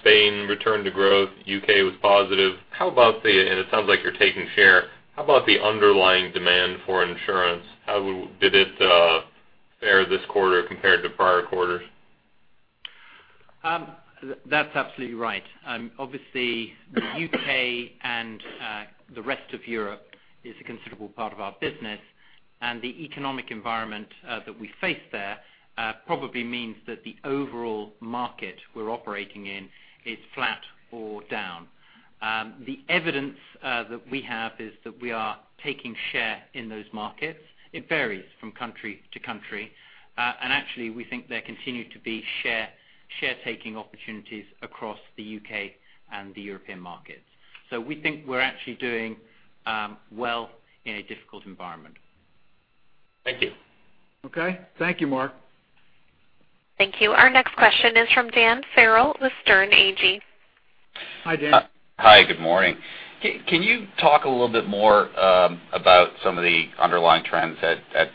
Spain returned to growth, U.K. was positive. It sounds like you're taking share, how about the underlying demand for insurance? How did it fare this quarter compared to prior quarters? That's absolutely right. Obviously, the U.K. and the rest of Europe is a considerable part of our business, the economic environment that we face there probably means that the overall market we're operating in is flat or down. The evidence that we have is that we are taking share in those markets. It varies from country to country. Actually, we think there continue to be share-taking opportunities across the U.K. and the European markets. We think we're actually doing well in a difficult environment. Thank you. Okay. Thank you, Mark. Thank you. Our next question is from Dan Farrell with Sterne Agee. Hi, Dan. Hi. Good morning. Can you talk a little bit more about some of the underlying trends at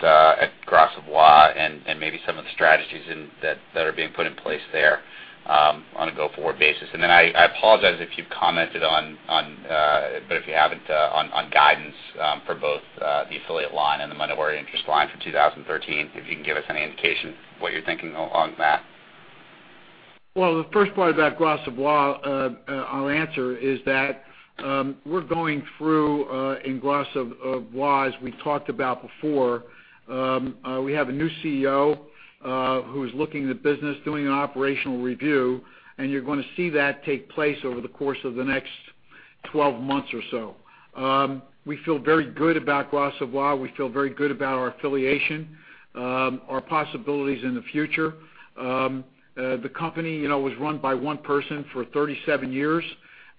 Gras Savoye and maybe some of the strategies that are being put in place there on a go-forward basis? I apologize if you've commented on it, but if you haven't, on guidance for both the affiliate line and the monetary interest line for 2013, if you can give us any indication what you're thinking along that. The first part about Gras Savoye I'll answer is that we're going through in Gras Savoye, as we talked about before, we have a new CEO who is looking at the business, doing an operational review, and you're going to see that take place over the course of the next 12 months or so. We feel very good about Gras Savoye. We feel very good about our affiliation, our possibilities in the future. The company was run by one person for 37 years.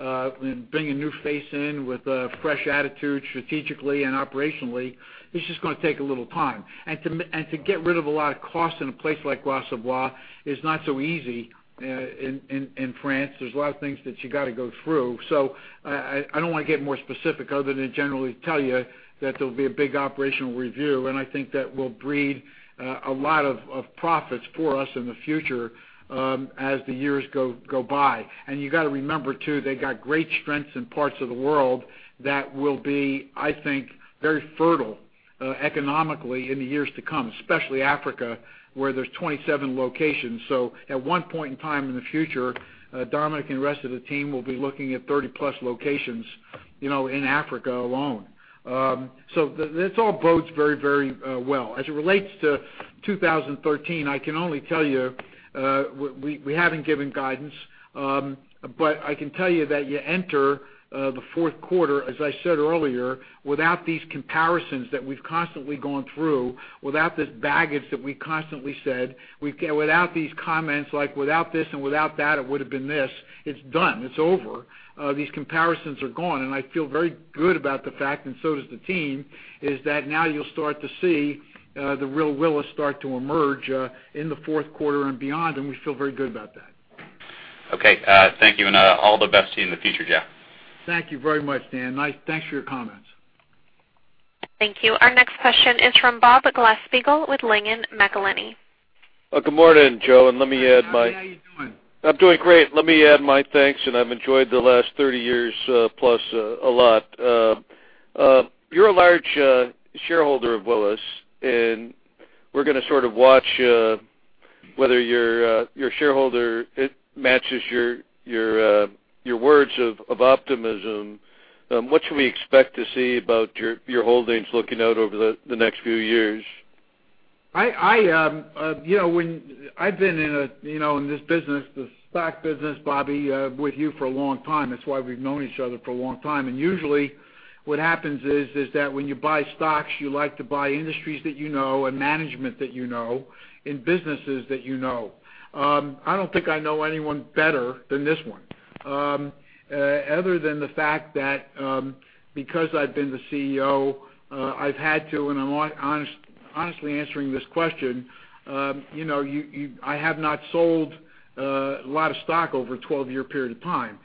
Bringing a new face in with a fresh attitude, strategically and operationally, it's just going to take a little time. To get rid of a lot of costs in a place like Gras Savoye is not so easy in France. There's a lot of things that you got to go through. I don't want to get more specific other than to generally tell you that there'll be a big operational review, and I think that will breed a lot of profits for us in the future as the years go by. You got to remember too, they got great strengths in parts of the world that will be, I think, very fertile economically in the years to come, especially Africa, where there's 27 locations. At one point in time in the future, Dominic and the rest of the team will be looking at 30-plus locations in Africa alone. This all bodes very well. As it relates to 2013, I can only tell you, we haven't given guidance, but I can tell you that you enter the fourth quarter, as I said earlier, without these comparisons that we've constantly gone through, without this baggage that we constantly said, without these comments like, "Without this and without that, it would've been this." It's done. It's over. These comparisons are gone, and I feel very good about the fact, and so does the team, is that now you'll start to see the real Willis start to emerge in the fourth quarter and beyond, and we feel very good about that. Okay. Thank you, and all the best to you in the future, Joe. Thank you very much, Dan. Thanks for your comments. Thank you. Our next question is from Bob Glasspiegel with Langen McAlenney. Good morning, Joe. Bobby, how you doing? I'm doing great. Let me add my thanks. I've enjoyed the last 30 years plus a lot. You're a large shareholder of Willis. We're going to sort of watch whether your shareholder matches your words of optimism. What should we expect to see about your holdings looking out over the next few years? I've been in this business, the stock business, Bobby, with you for a long time. That's why we've known each other for a long time. Usually what happens is that when you buy stocks, you like to buy industries that you know and management that you know in businesses that you know. I don't think I know anyone better than this one. Other than the fact that because I've been the CEO, I've had to, and I'm honestly answering this question, I have not sold a lot of stock over a 12-year period of time.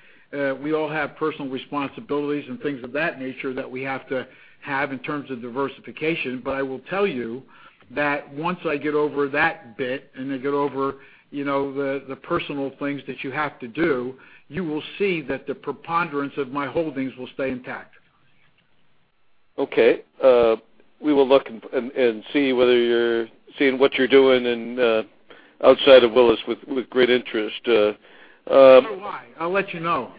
We all have personal responsibilities and things of that nature that we have to have in terms of diversification. I will tell you that once I get over that bit, and I get over the personal things that you have to do, you will see that the preponderance of my holdings will stay intact. Okay. We will look and see what you're doing outside of Willis with great interest. You know why. I'll let you know.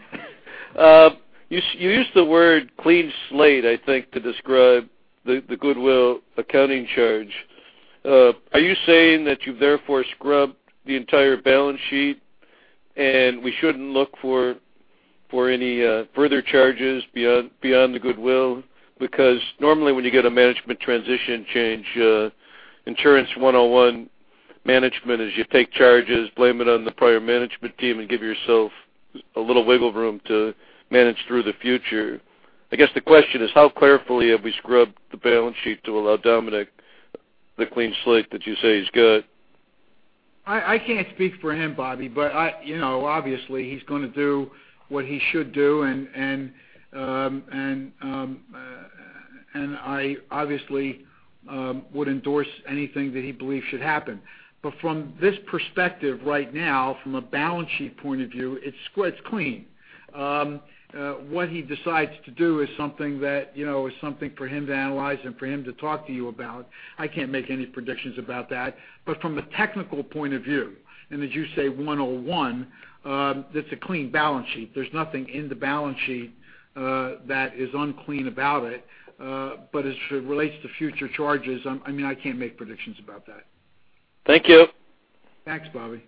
You used the word clean slate, I think, to describe the goodwill accounting charge. Are you saying that you've therefore scrubbed the entire balance sheet and we shouldn't look for any further charges beyond the goodwill? Normally when you get a management transition change, insurance 101 management is you take charges, blame it on the prior management team, and give yourself a little wiggle room to manage through the future. I guess the question is, how carefully have we scrubbed the balance sheet to allow Dominic the clean slate that you say he's got? I can't speak for him, Bobby, obviously, he's going to do what he should do, and I obviously would endorse anything that he believes should happen. From this perspective right now, from a balance sheet point of view, it's clean. What he decides to do is something for him to analyze and for him to talk to you about. I can't make any predictions about that. From a technical point of view, and as you say, 101, that's a clean balance sheet. There's nothing in the balance sheet that is unclean about it. As it relates to future charges, I can't make predictions about that. Thank you. Thanks, Bobby.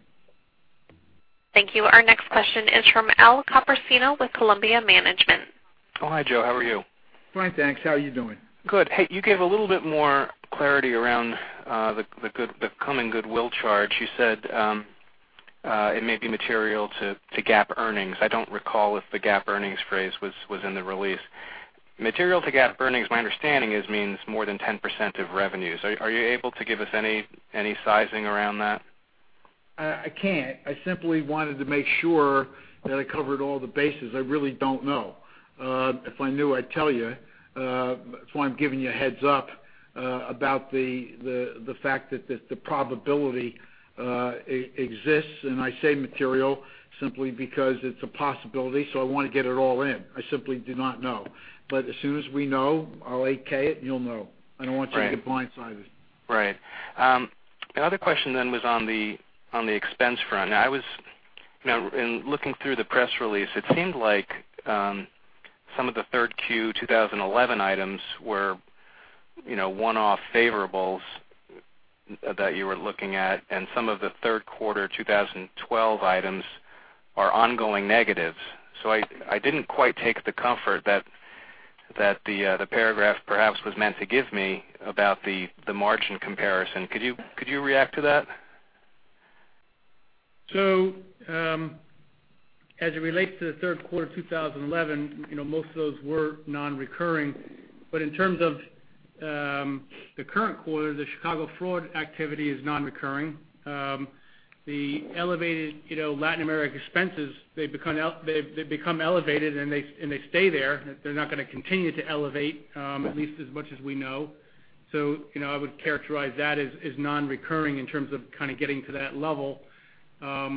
Thank you. Our next question is from Al Copersino with Columbia Management. Oh, hi, Joe. How are you? Fine, thanks. How are you doing? Good. Hey, you gave a little bit more clarity around the coming goodwill charge. You said it may be material to GAAP earnings. I don't recall if the GAAP earnings phrase was in the release. Material to GAAP earnings, my understanding, means more than 10% of revenues. Are you able to give us any sizing around that? I can't. I simply wanted to make sure that I covered all the bases. I really don't know. If I knew, I'd tell you. That's why I'm giving you a heads up about the fact that the probability exists, and I say material simply because it's a possibility, so I want to get it all in. I simply do not know. As soon as we know, I'll 8-K it, and you'll know. Right. I don't want you to get blindsided. Right. Another question was on the expense front. In looking through the press release, it seemed like some of the third Q 2011 items were one-off favorables that you were looking at, and some of the third quarter 2012 items are ongoing negatives. I didn't quite take the comfort that the paragraph perhaps was meant to give me about the margin comparison. Could you react to that? As it relates to the third quarter 2011, most of those were non-recurring. In terms of the current quarter, the Chicago fraud activity is non-recurring. The elevated Latin America expenses, they've become elevated and they stay there. They're not going to continue to elevate, at least as much as we know. I would characterize that as non-recurring in terms of kind of getting to that level. Those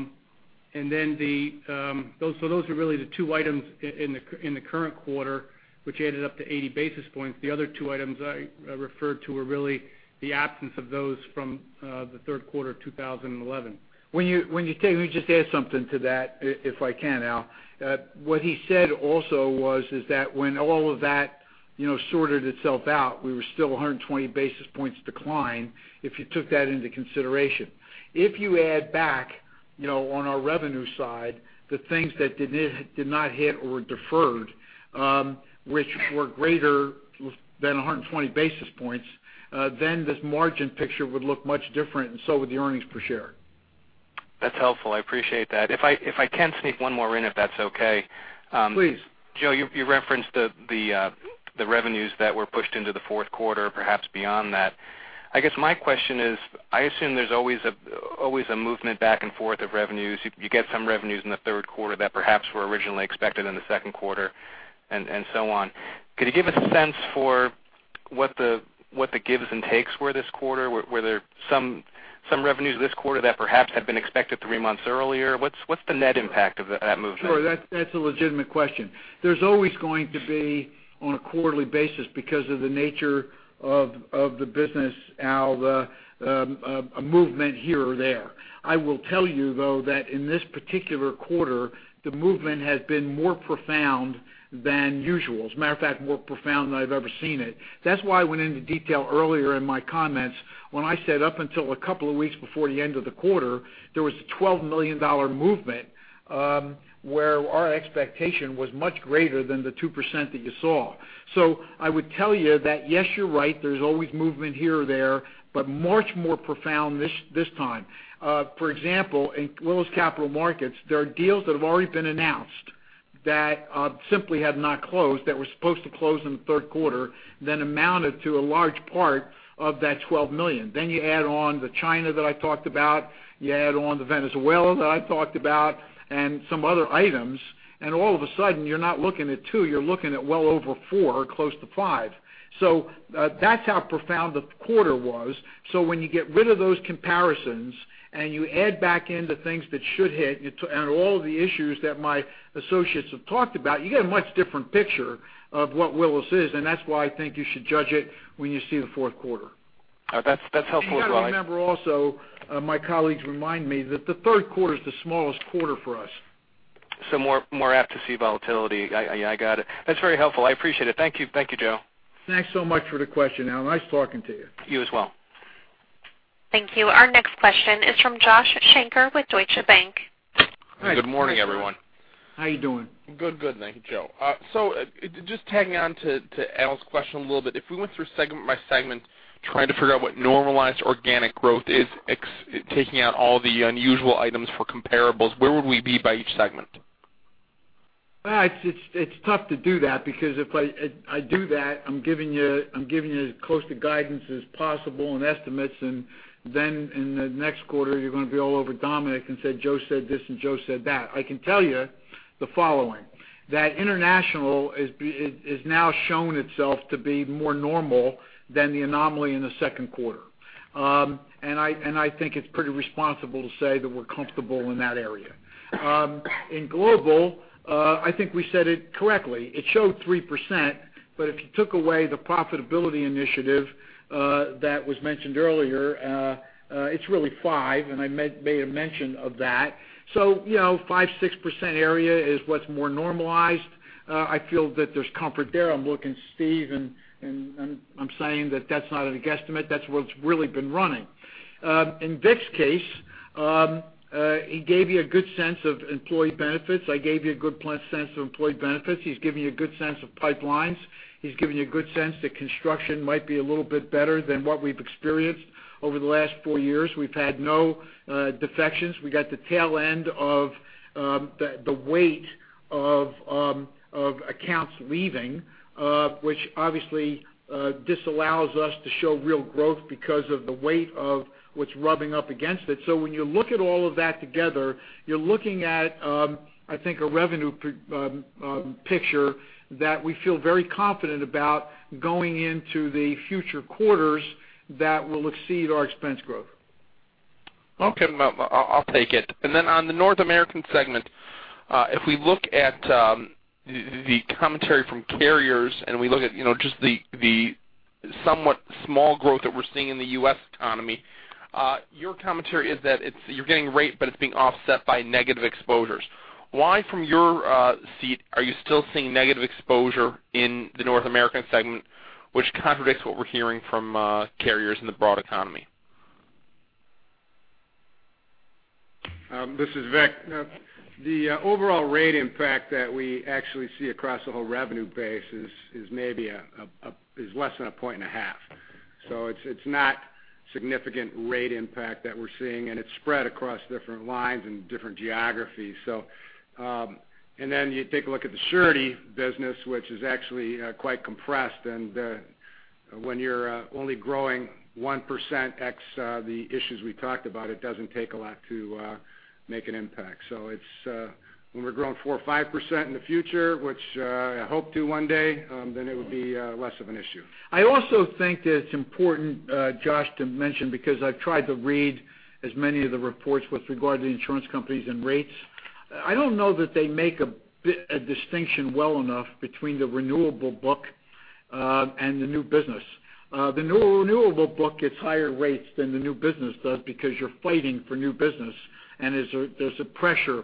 are really the two items in the current quarter, which added up to 80 basis points. The other two items I referred to were really the absence of those from the third quarter of 2011. Let me just add something to that, if I can, Al. What he said also was that when all of that sorted itself out, we were still 120 basis points decline, if you took that into consideration. If you add back on our revenue side, the things that did not hit or deferred, which were greater than 120 basis points, then this margin picture would look much different, and so would the earnings per share. That's helpful. I appreciate that. If I can sneak one more in, if that's okay. Please. Joe, you referenced the revenues that were pushed into the fourth quarter, perhaps beyond that. I guess my question is, I assume there's always a movement back and forth of revenues. You get some revenues in the third quarter that perhaps were originally expected in the second quarter, and so on. Could you give a sense for what the gives and takes were this quarter? Were there some revenues this quarter that perhaps had been expected three months earlier? What's the net impact of that movement? Sure. That's a legitimate question. There's always going to be, on a quarterly basis, because of the nature of the business, Al, a movement here or there. I will tell you, though, that in this particular quarter, the movement has been more profound than usual. As a matter of fact, more profound than I've ever seen it. That's why I went into detail earlier in my comments when I said up until a couple of weeks before the end of the quarter, there was a $12 million movement, where our expectation was much greater than the 2% that you saw. I would tell you that, yes, you're right, there's always movement here or there, but much more profound this time. In Willis Capital Markets, there are deals that have already been announced that simply have not closed that were supposed to close in the third quarter, amounted to a large part of that $12 million. You add on the China that I talked about, you add on the Venezuela that I talked about, and some other items, all of a sudden, you're not looking at two, you're looking at well over four, close to five. That's how profound the quarter was. When you get rid of those comparisons and you add back in the things that should hit and all of the issues that my associates have talked about, you get a much different picture of what Willis is, and that's why I think you should judge it when you see the fourth quarter. That's helpful as well. You got to remember also, my colleagues remind me, that the third quarter is the smallest quarter for us. More apt to see volatility. Yeah, I got it. That's very helpful. I appreciate it. Thank you, Joe. Thanks so much for the question, Al. Nice talking to you. You as well. Thank you. Our next question is from Josh Shanker with Deutsche Bank. Hi. Good morning, everyone. How you doing? Good, thank you, Joe. Just tagging on to Al's question a little bit, if we went through segment by segment trying to figure out what normalized organic growth is, taking out all the unusual items for comparables, where would we be by each segment? It's tough to do that because if I do that, I'm giving you as close to guidance as possible and estimates, and then in the next quarter, you're going to be all over Dominic and say, "Joe said this, and Joe said that." I can tell you the following, that International has now shown itself to be more normal than the anomaly in the second quarter. I think it's pretty responsible to say that we're comfortable in that area. In Global, I think we said it correctly. It showed 3%, but if you took away the profitability initiative that was mentioned earlier, it's really five, and I made a mention of that. 5%, 6% area is what's more normalized. I feel that there's comfort there. I'm looking at Steve, and I'm saying that that's not a guesstimate. That's what's really been running. In Vic's case, he gave you a good sense of employee benefits. I gave you a good sense of employee benefits. He's given you a good sense of pipelines. He's given you a good sense that construction might be a little bit better than what we've experienced over the last four years. We've had no defections. We got the tail end of the weight of accounts leaving, which obviously disallows us to show real growth because of the weight of what's rubbing up against it. When you look at all of that together, you're looking at, I think, a revenue picture that we feel very confident about going into the future quarters that will exceed our expense growth. Okay. I'll take it. On the North American segment, if we look at the commentary from carriers and we look at just the somewhat small growth that we're seeing in the U.S. economy, your commentary is that you're getting rate, but it's being offset by negative exposures. Why, from your seat, are you still seeing negative exposure in the North American segment, which contradicts what we're hearing from carriers in the broad economy? This is Vic. The overall rate impact that we actually see across the whole revenue base is less than a point and a half. It's not significant rate impact that we're seeing, and it's spread across different lines and different geographies. You take a look at the surety business, which is actually quite compressed, and when you're only growing 1% ex the issues we talked about, it doesn't take a lot to make an impact. When we're growing 4% or 5% in the future, which I hope to one day, it would be less of an issue. I also think that it's important, Josh, to mention, because I've tried to read as many of the reports with regard to insurance companies and rates I don't know that they make a distinction well enough between the renewable book and the new business. The renewable book gets higher rates than the new business does because you're fighting for new business, and there's a pressure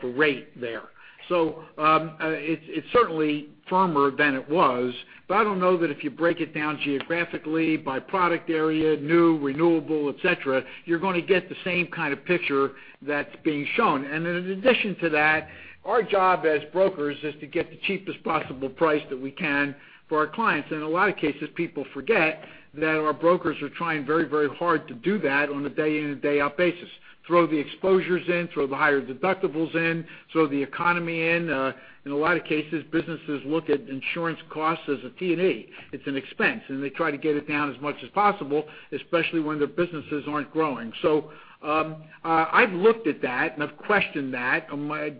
for rate there. It's certainly firmer than it was, but I don't know that if you break it down geographically by product area, new, renewable, et cetera, you're going to get the same kind of picture that's being shown. In addition to that, our job as brokers is to get the cheapest possible price that we can for our clients. In a lot of cases, people forget that our brokers are trying very hard to do that on a day in and day out basis. Throw the exposures in, throw the higher deductibles in, throw the economy in. In a lot of cases, businesses look at insurance costs as a T&E. It's an expense, and they try to get it down as much as possible, especially when their businesses aren't growing. I've looked at that, and I've questioned that.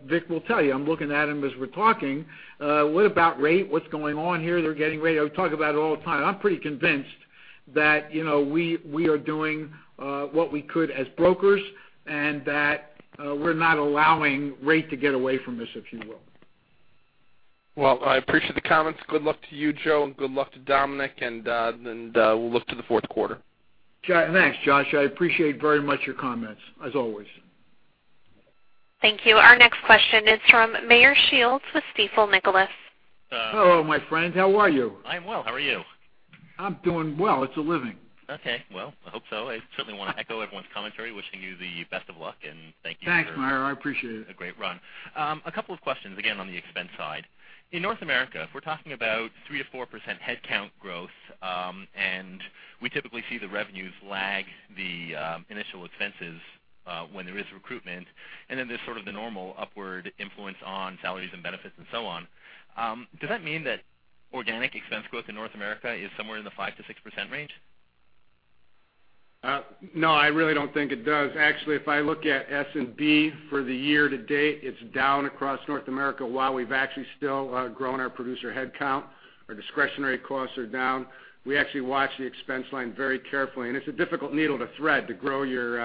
Vic will tell you, I'm looking at him as we're talking. What about rate? What's going on here? They're getting rate. I would talk about it all the time. I'm pretty convinced that we are doing what we could as brokers and that we're not allowing rate to get away from us, if you will. Well, I appreciate the comments. Good luck to you, Joe, and good luck to Dominic. Then we'll look to the fourth quarter. Thanks, Josh. I appreciate very much your comments, as always. Thank you. Our next question is from Meyer Shields with Stifel Nicolaus. Hello, my friend. How are you? I'm well, how are you? I'm doing well. It's a living. Okay, well, I hope so. I certainly want to echo everyone's commentary, wishing you the best of luck and thank you for. Thanks, Meyer, I appreciate it. A great run. A couple of questions, again, on the expense side. In North America, if we're talking about 3% to 4% headcount growth, we typically see the revenues lag the initial expenses when there is recruitment, then there's sort of the normal upward influence on salaries and benefits and so on. Does that mean that organic expense growth in North America is somewhere in the 5% to 6% range? No, I really don't think it does. Actually, if I look at S&P for the year to date, it's down across North America while we've actually still grown our producer headcount. Our discretionary costs are down. We actually watch the expense line very carefully, it's a difficult needle to thread to grow your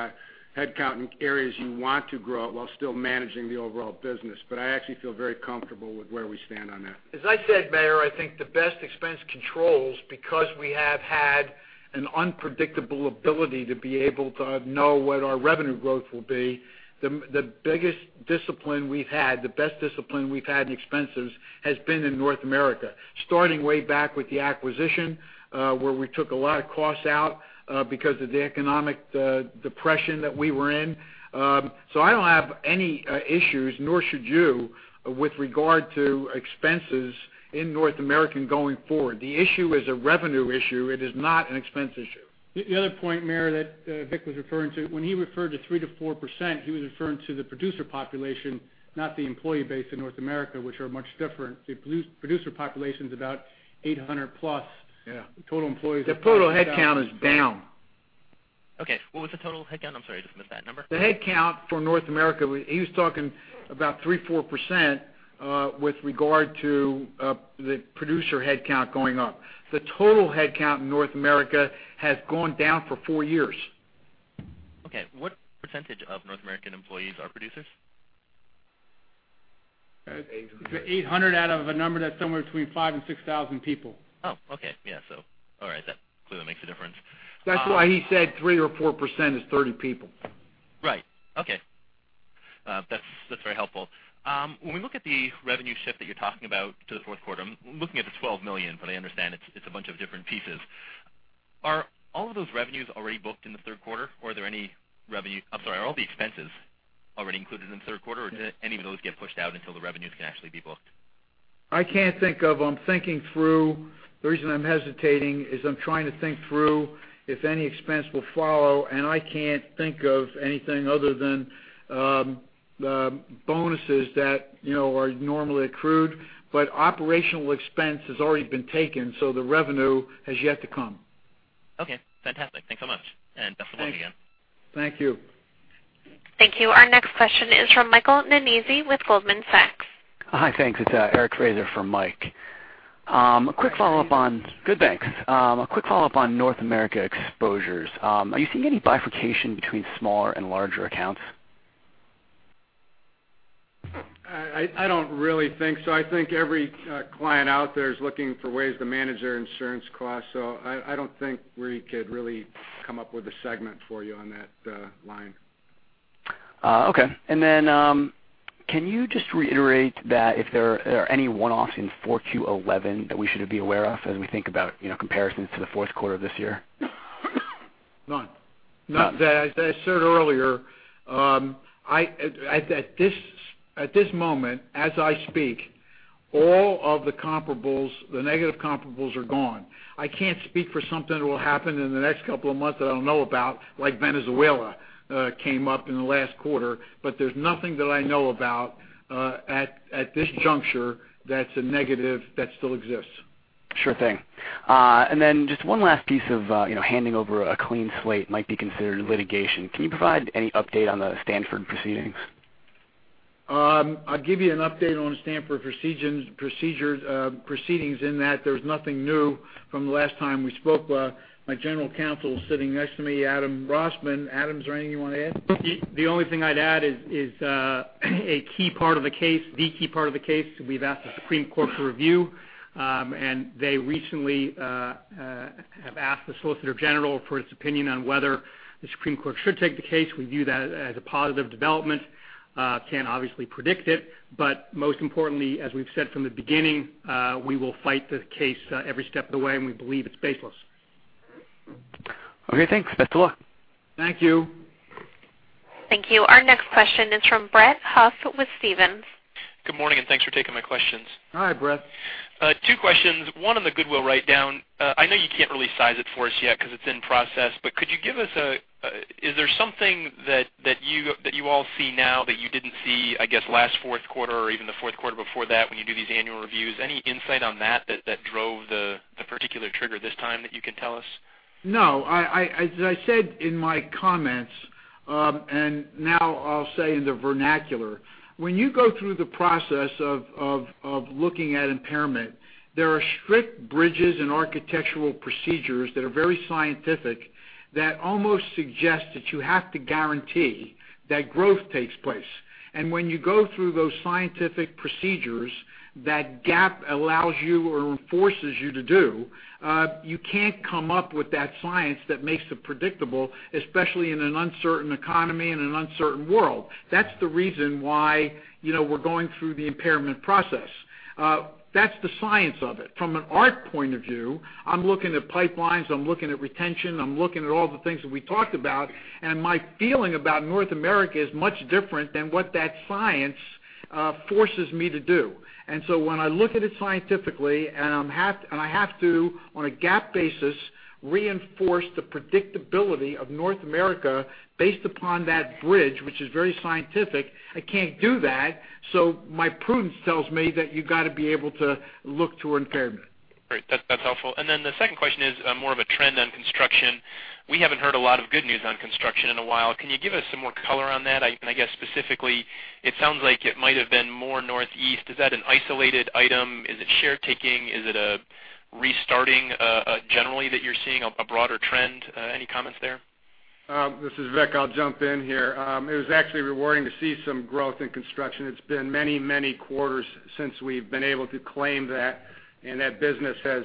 headcount in areas you want to grow while still managing the overall business. I actually feel very comfortable with where we stand on that. As I said, Meyer, I think the best expense controls, because we have had an unpredictable ability to be able to know what our revenue growth will be, the biggest discipline we've had, the best discipline we've had in expenses has been in North America. Starting way back with the acquisition, where we took a lot of costs out because of the economic depression that we were in. I don't have any issues, nor should you, with regard to expenses in North America going forward. The issue is a revenue issue. It is not an expense issue. The other point, Meyer, that Vic was referring to, when he referred to 3% to 4%, he was referring to the producer population, not the employee base in North America, which are much different. The producer population's about 800+. Yeah. Total employees about 6,000. The total headcount is down. Okay. What was the total headcount? I'm sorry, I just missed that number. The headcount for North America, he was talking about 3%, 4% with regard to the producer headcount going up. The total headcount in North America has gone down for four years. Okay. What % of North American employees are producers? 800. 800 out of a number that's somewhere between 5,000 and 6,000 people. Oh, okay. Yeah, all right then. Clearly makes a difference. That's why he said 3% or 4% is 30 people. Right. Okay. That's very helpful. When we look at the revenue shift that you're talking about to the fourth quarter, I'm looking at the $12 million, but I understand it's a bunch of different pieces. Are all of those revenues already booked in the third quarter, or are all the expenses already included in the third quarter, or do any of those get pushed out until the revenues can actually be booked? I can't think of them. I'm thinking through. The reason I'm hesitating is I'm trying to think through if any expense will follow, and I can't think of anything other than bonuses that are normally accrued, but operational expense has already been taken, so the revenue has yet to come. Okay, fantastic. Thanks so much. Best of luck again. Thank you. Thank you. Our next question is from Michael Nannizzi with Goldman Sachs. Hi, thanks. It's Eric Fraser for Mike. Eric. Good, thanks. A quick follow-up on North America exposures. Are you seeing any bifurcation between smaller and larger accounts? I don't really think so. I think every client out there is looking for ways to manage their insurance costs, so I don't think we could really come up with a segment for you on that line. Okay. Then, can you just reiterate that if there are any one-offs in Q4 2011 that we should be aware of as we think about comparisons to the fourth quarter of this year? None. As I said earlier, at this moment, as I speak, all of the comparables, the negative comparables are gone. I can't speak for something that will happen in the next couple of months that I don't know about, like Venezuela came up in the last quarter. There's nothing that I know about at this juncture that's a negative that still exists. Sure thing. Then just one last piece of handing over a clean slate might be considered litigation. Can you provide any update on the Stanford proceedings? I'll give you an update on the Stanford proceedings in that there's nothing new from the last time we spoke. My general counsel is sitting next to me, Adam Rosman. Adam, is there anything you want to add? The only thing I'd add is a key part of the case, we've asked the Supreme Court to review. They recently have asked the solicitor general for his opinion on whether the Supreme Court should take the case. We view that as a positive development. Most importantly, as we've said from the beginning, we will fight the case every step of the way, and we believe it's baseless. Okay, thanks. Best of luck. Thank you. Thank you. Our next question is from Brett Huff with Stephens. Good morning, thanks for taking my questions. Hi, Brett. Two questions. One on the goodwill write-down. I know you can't really size it for us yet because it's in process, is there something that you all see now that you didn't see, I guess, last fourth quarter or even the fourth quarter before that when you do these annual reviews? Any insight on that drove the particular trigger this time that you can tell us? No. As I said in my comments, now I'll say in the vernacular, when you go through the process of looking at impairment, there are strict bridges and architectural procedures that are very scientific that almost suggest that you have to guarantee that growth takes place. When you go through those scientific procedures that GAAP allows you or forces you to do, you can't come up with that science that makes it predictable, especially in an uncertain economy and an uncertain world. That's the reason why we're going through the impairment process. That's the science of it. From an art point of view, I'm looking at pipelines, I'm looking at retention, I'm looking at all the things that we talked about, my feeling about North America is much different than what that science forces me to do. When I look at it scientifically, and I have to, on a GAAP basis, reinforce the predictability of North America based upon that bridge, which is very scientific, I can't do that, so my prudence tells me that you got to be able to look to impairment. Great. That's helpful. The second question is more of a trend on construction. We haven't heard a lot of good news on construction in a while. Can you give us some more color on that? I guess specifically, it sounds like it might have been more Northeast. Is that an isolated item? Is it share taking? Is it a restarting generally that you're seeing a broader trend? Any comments there? This is Vic. I'll jump in here. It was actually rewarding to see some growth in construction. It's been many quarters since we've been able to claim that, and that business has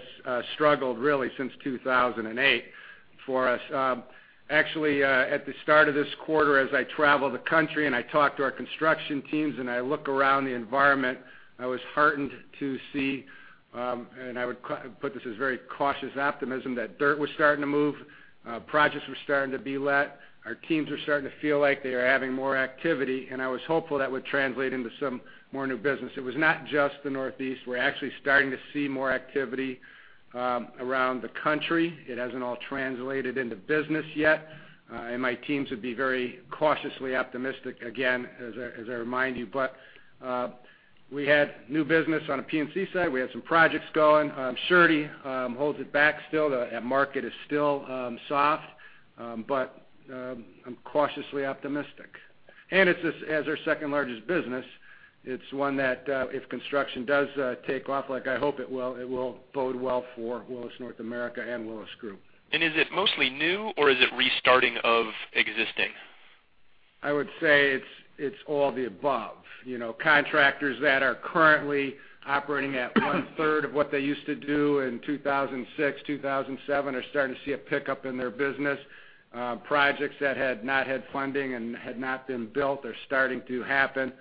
struggled really since 2008 for us. Actually, at the start of this quarter, as I travel the country and I talk to our construction teams and I look around the environment, I was heartened to see, and I would put this as very cautious optimism, that dirt was starting to move, projects were starting to be let. Our teams were starting to feel like they are having more activity, and I was hopeful that would translate into some more new business. It was not just the Northeast. We're actually starting to see more activity around the country. It hasn't all translated into business yet. My teams would be very cautiously optimistic, again, as I remind you. We had new business on a P&C side. We had some projects going. Surety holds it back still. That market is still soft. I'm cautiously optimistic. As our second largest business, it's one that, if construction does take off, like I hope it will, it will bode well for Willis North America and Willis Group. Is it mostly new or is it restarting of existing? I would say it's all of the above. Contractors that are currently operating at one-third of what they used to do in 2006, 2007, are starting to see a pickup in their business. Projects that had not had funding and had not been built are starting to happen.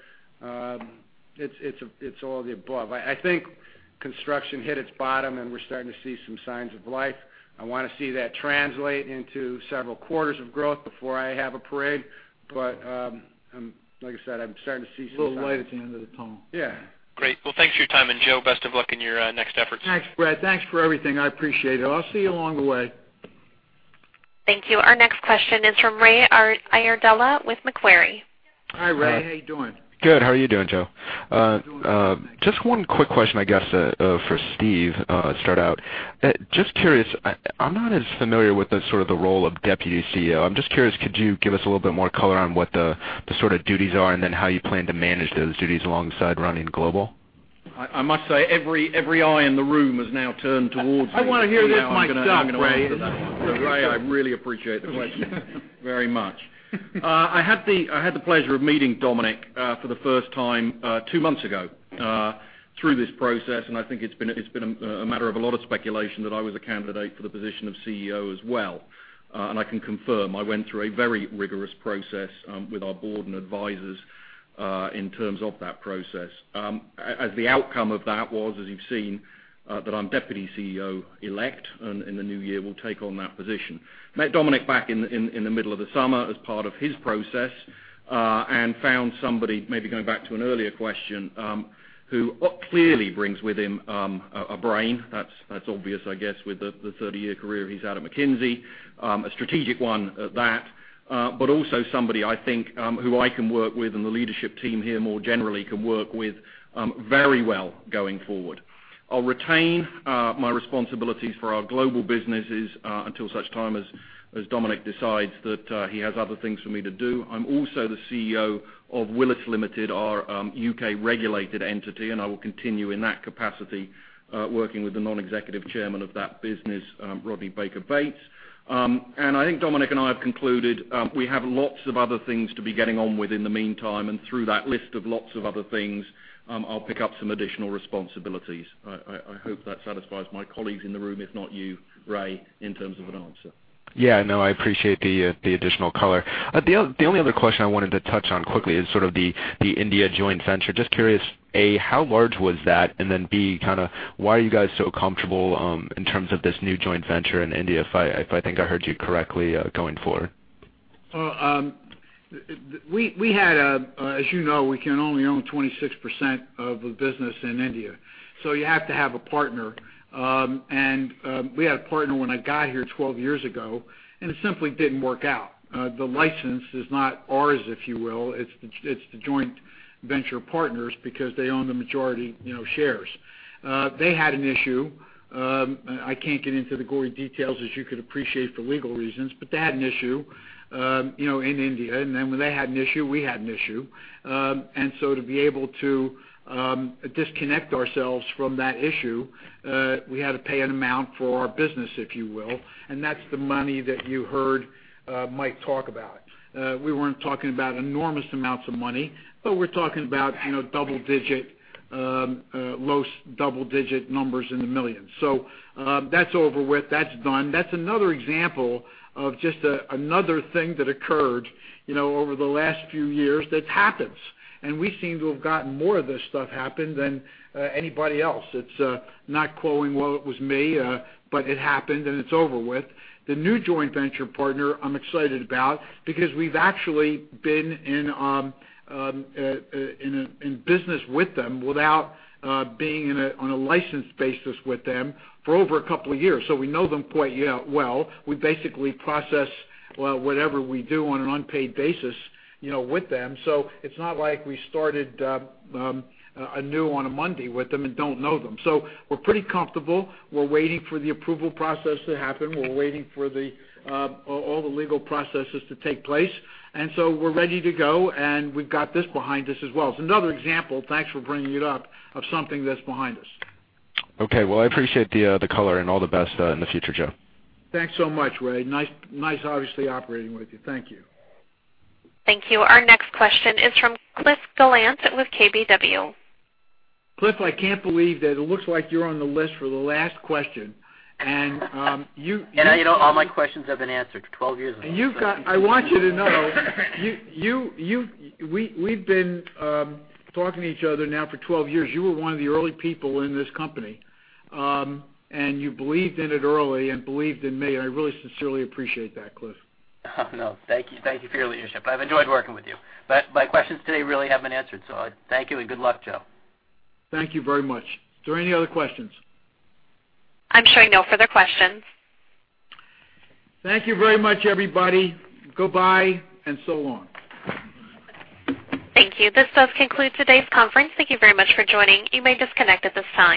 It's all of the above. I think construction hit its bottom and we're starting to see some signs of life. I want to see that translate into several quarters of growth before I have a parade. Like I said, I'm starting to see some. Little light at the end of the tunnel. Yeah. Great. Well, thanks for your time. Joe, best of luck in your next efforts. Thanks, Brett. Thanks for everything. I appreciate it. I'll see you along the way. Thank you. Our next question is from Raymond Iardella with Macquarie. Hi, Ray. How you doing? Good. How are you doing, Joe? Just one quick question, I guess, for Steve to start out. Just curious, I'm not as familiar with the sort of the role of deputy CEO. I'm just curious, could you give us a little bit more color on what the sort of duties are and then how you plan to manage those duties alongside running Global? I must say, every eye in the room has now turned towards me. I want to hear this myself, Ray. Ray, I really appreciate the question very much. I had the pleasure of meeting Dominic for the first time two months ago through this process, I think it's been a matter of a lot of speculation that I was a candidate for the position of CEO as well. I can confirm, I went through a very rigorous process with our board and advisors in terms of that process. As the outcome of that was, as you've seen, that I'm deputy CEO elect, and in the new year, will take on that position. Met Dominic back in the middle of the summer as part of his process, and found somebody, maybe going back to an earlier question, who clearly brings with him a brain. That's obvious, I guess, with the 30-year career he's had at McKinsey, a strategic one at that. Also somebody I think who I can work with and the leadership team here more generally can work with very well going forward. I'll retain my responsibilities for our global businesses until such time as Dominic decides that he has other things for me to do. I'm also the CEO of Willis Limited, our U.K.-regulated entity, I will continue in that capacity working with the non-executive chairman of that business, Rodney Baker-Bates. I think Dominic and I have concluded we have lots of other things to be getting on with in the meantime, and through that list of lots of other things I'll pick up some additional responsibilities. I hope that satisfies my colleagues in the room, if not you, Ray, in terms of an answer. Yeah, I appreciate the additional color. The only other question I wanted to touch on quickly is sort of the India joint venture. Just curious, A, how large was that? Then B, kind of why are you guys so comfortable in terms of this new joint venture in India, if I think I heard you correctly, going forward? Well, as you know, we can only own 26% of a business in India, so you have to have a partner. We had a partner when I got here 12 years ago, and it simply didn't work out. The license is not ours, if you will. It's the joint venture partners because they own the majority shares. They had an issue. I can't get into the gory details, as you could appreciate for legal reasons, but they had an issue in India. Then when they had an issue, we had an issue. To be able to disconnect ourselves from that issue, we had to pay an amount for our business, if you will, and that's the money that you heard Mike talk about. We weren't talking about enormous amounts of money, but we're talking about low double-digit numbers in the millions. That's over with, that's done. That's another example of just another thing that occurred over the last few years that happens, and we seem to have gotten more of this stuff happen than anybody else. It's not crowing, well, it was me, but it happened, and it's over with. The new joint venture partner I'm excited about because we've actually been in business with them without being on a licensed basis with them for over a couple of years, so we know them quite well. We basically process whatever we do on an unpaid basis with them, so it's not like we started anew on a Monday with them and don't know them. We're pretty comfortable. We're waiting for the approval process to happen. We're waiting for all the legal processes to take place, and so we're ready to go, and we've got this behind us as well. It's another example, thanks for bringing it up, of something that's behind us. Okay. Well, I appreciate the color, and all the best in the future, Joe. Thanks so much, Ray. Nice, obviously, operating with you. Thank you. Thank you. Our next question is from Cliff Gallant with KBW. Cliff, I can't believe that it looks like you're on the list for the last question, and you- All my questions have been answered. 12 years ago. I want you to know- we've been talking to each other now for 12 years. You were one of the early people in this company, and you believed in it early and believed in me, and I really sincerely appreciate that, Cliff. Oh, no. Thank you for your leadership. I've enjoyed working with you. My questions today really have been answered, thank you and good luck, Joe. Thank you very much. Is there any other questions? I'm showing no further questions. Thank you very much, everybody. Goodbye and so long. Thank you. This does conclude today's conference. Thank you very much for joining. You may disconnect at this time.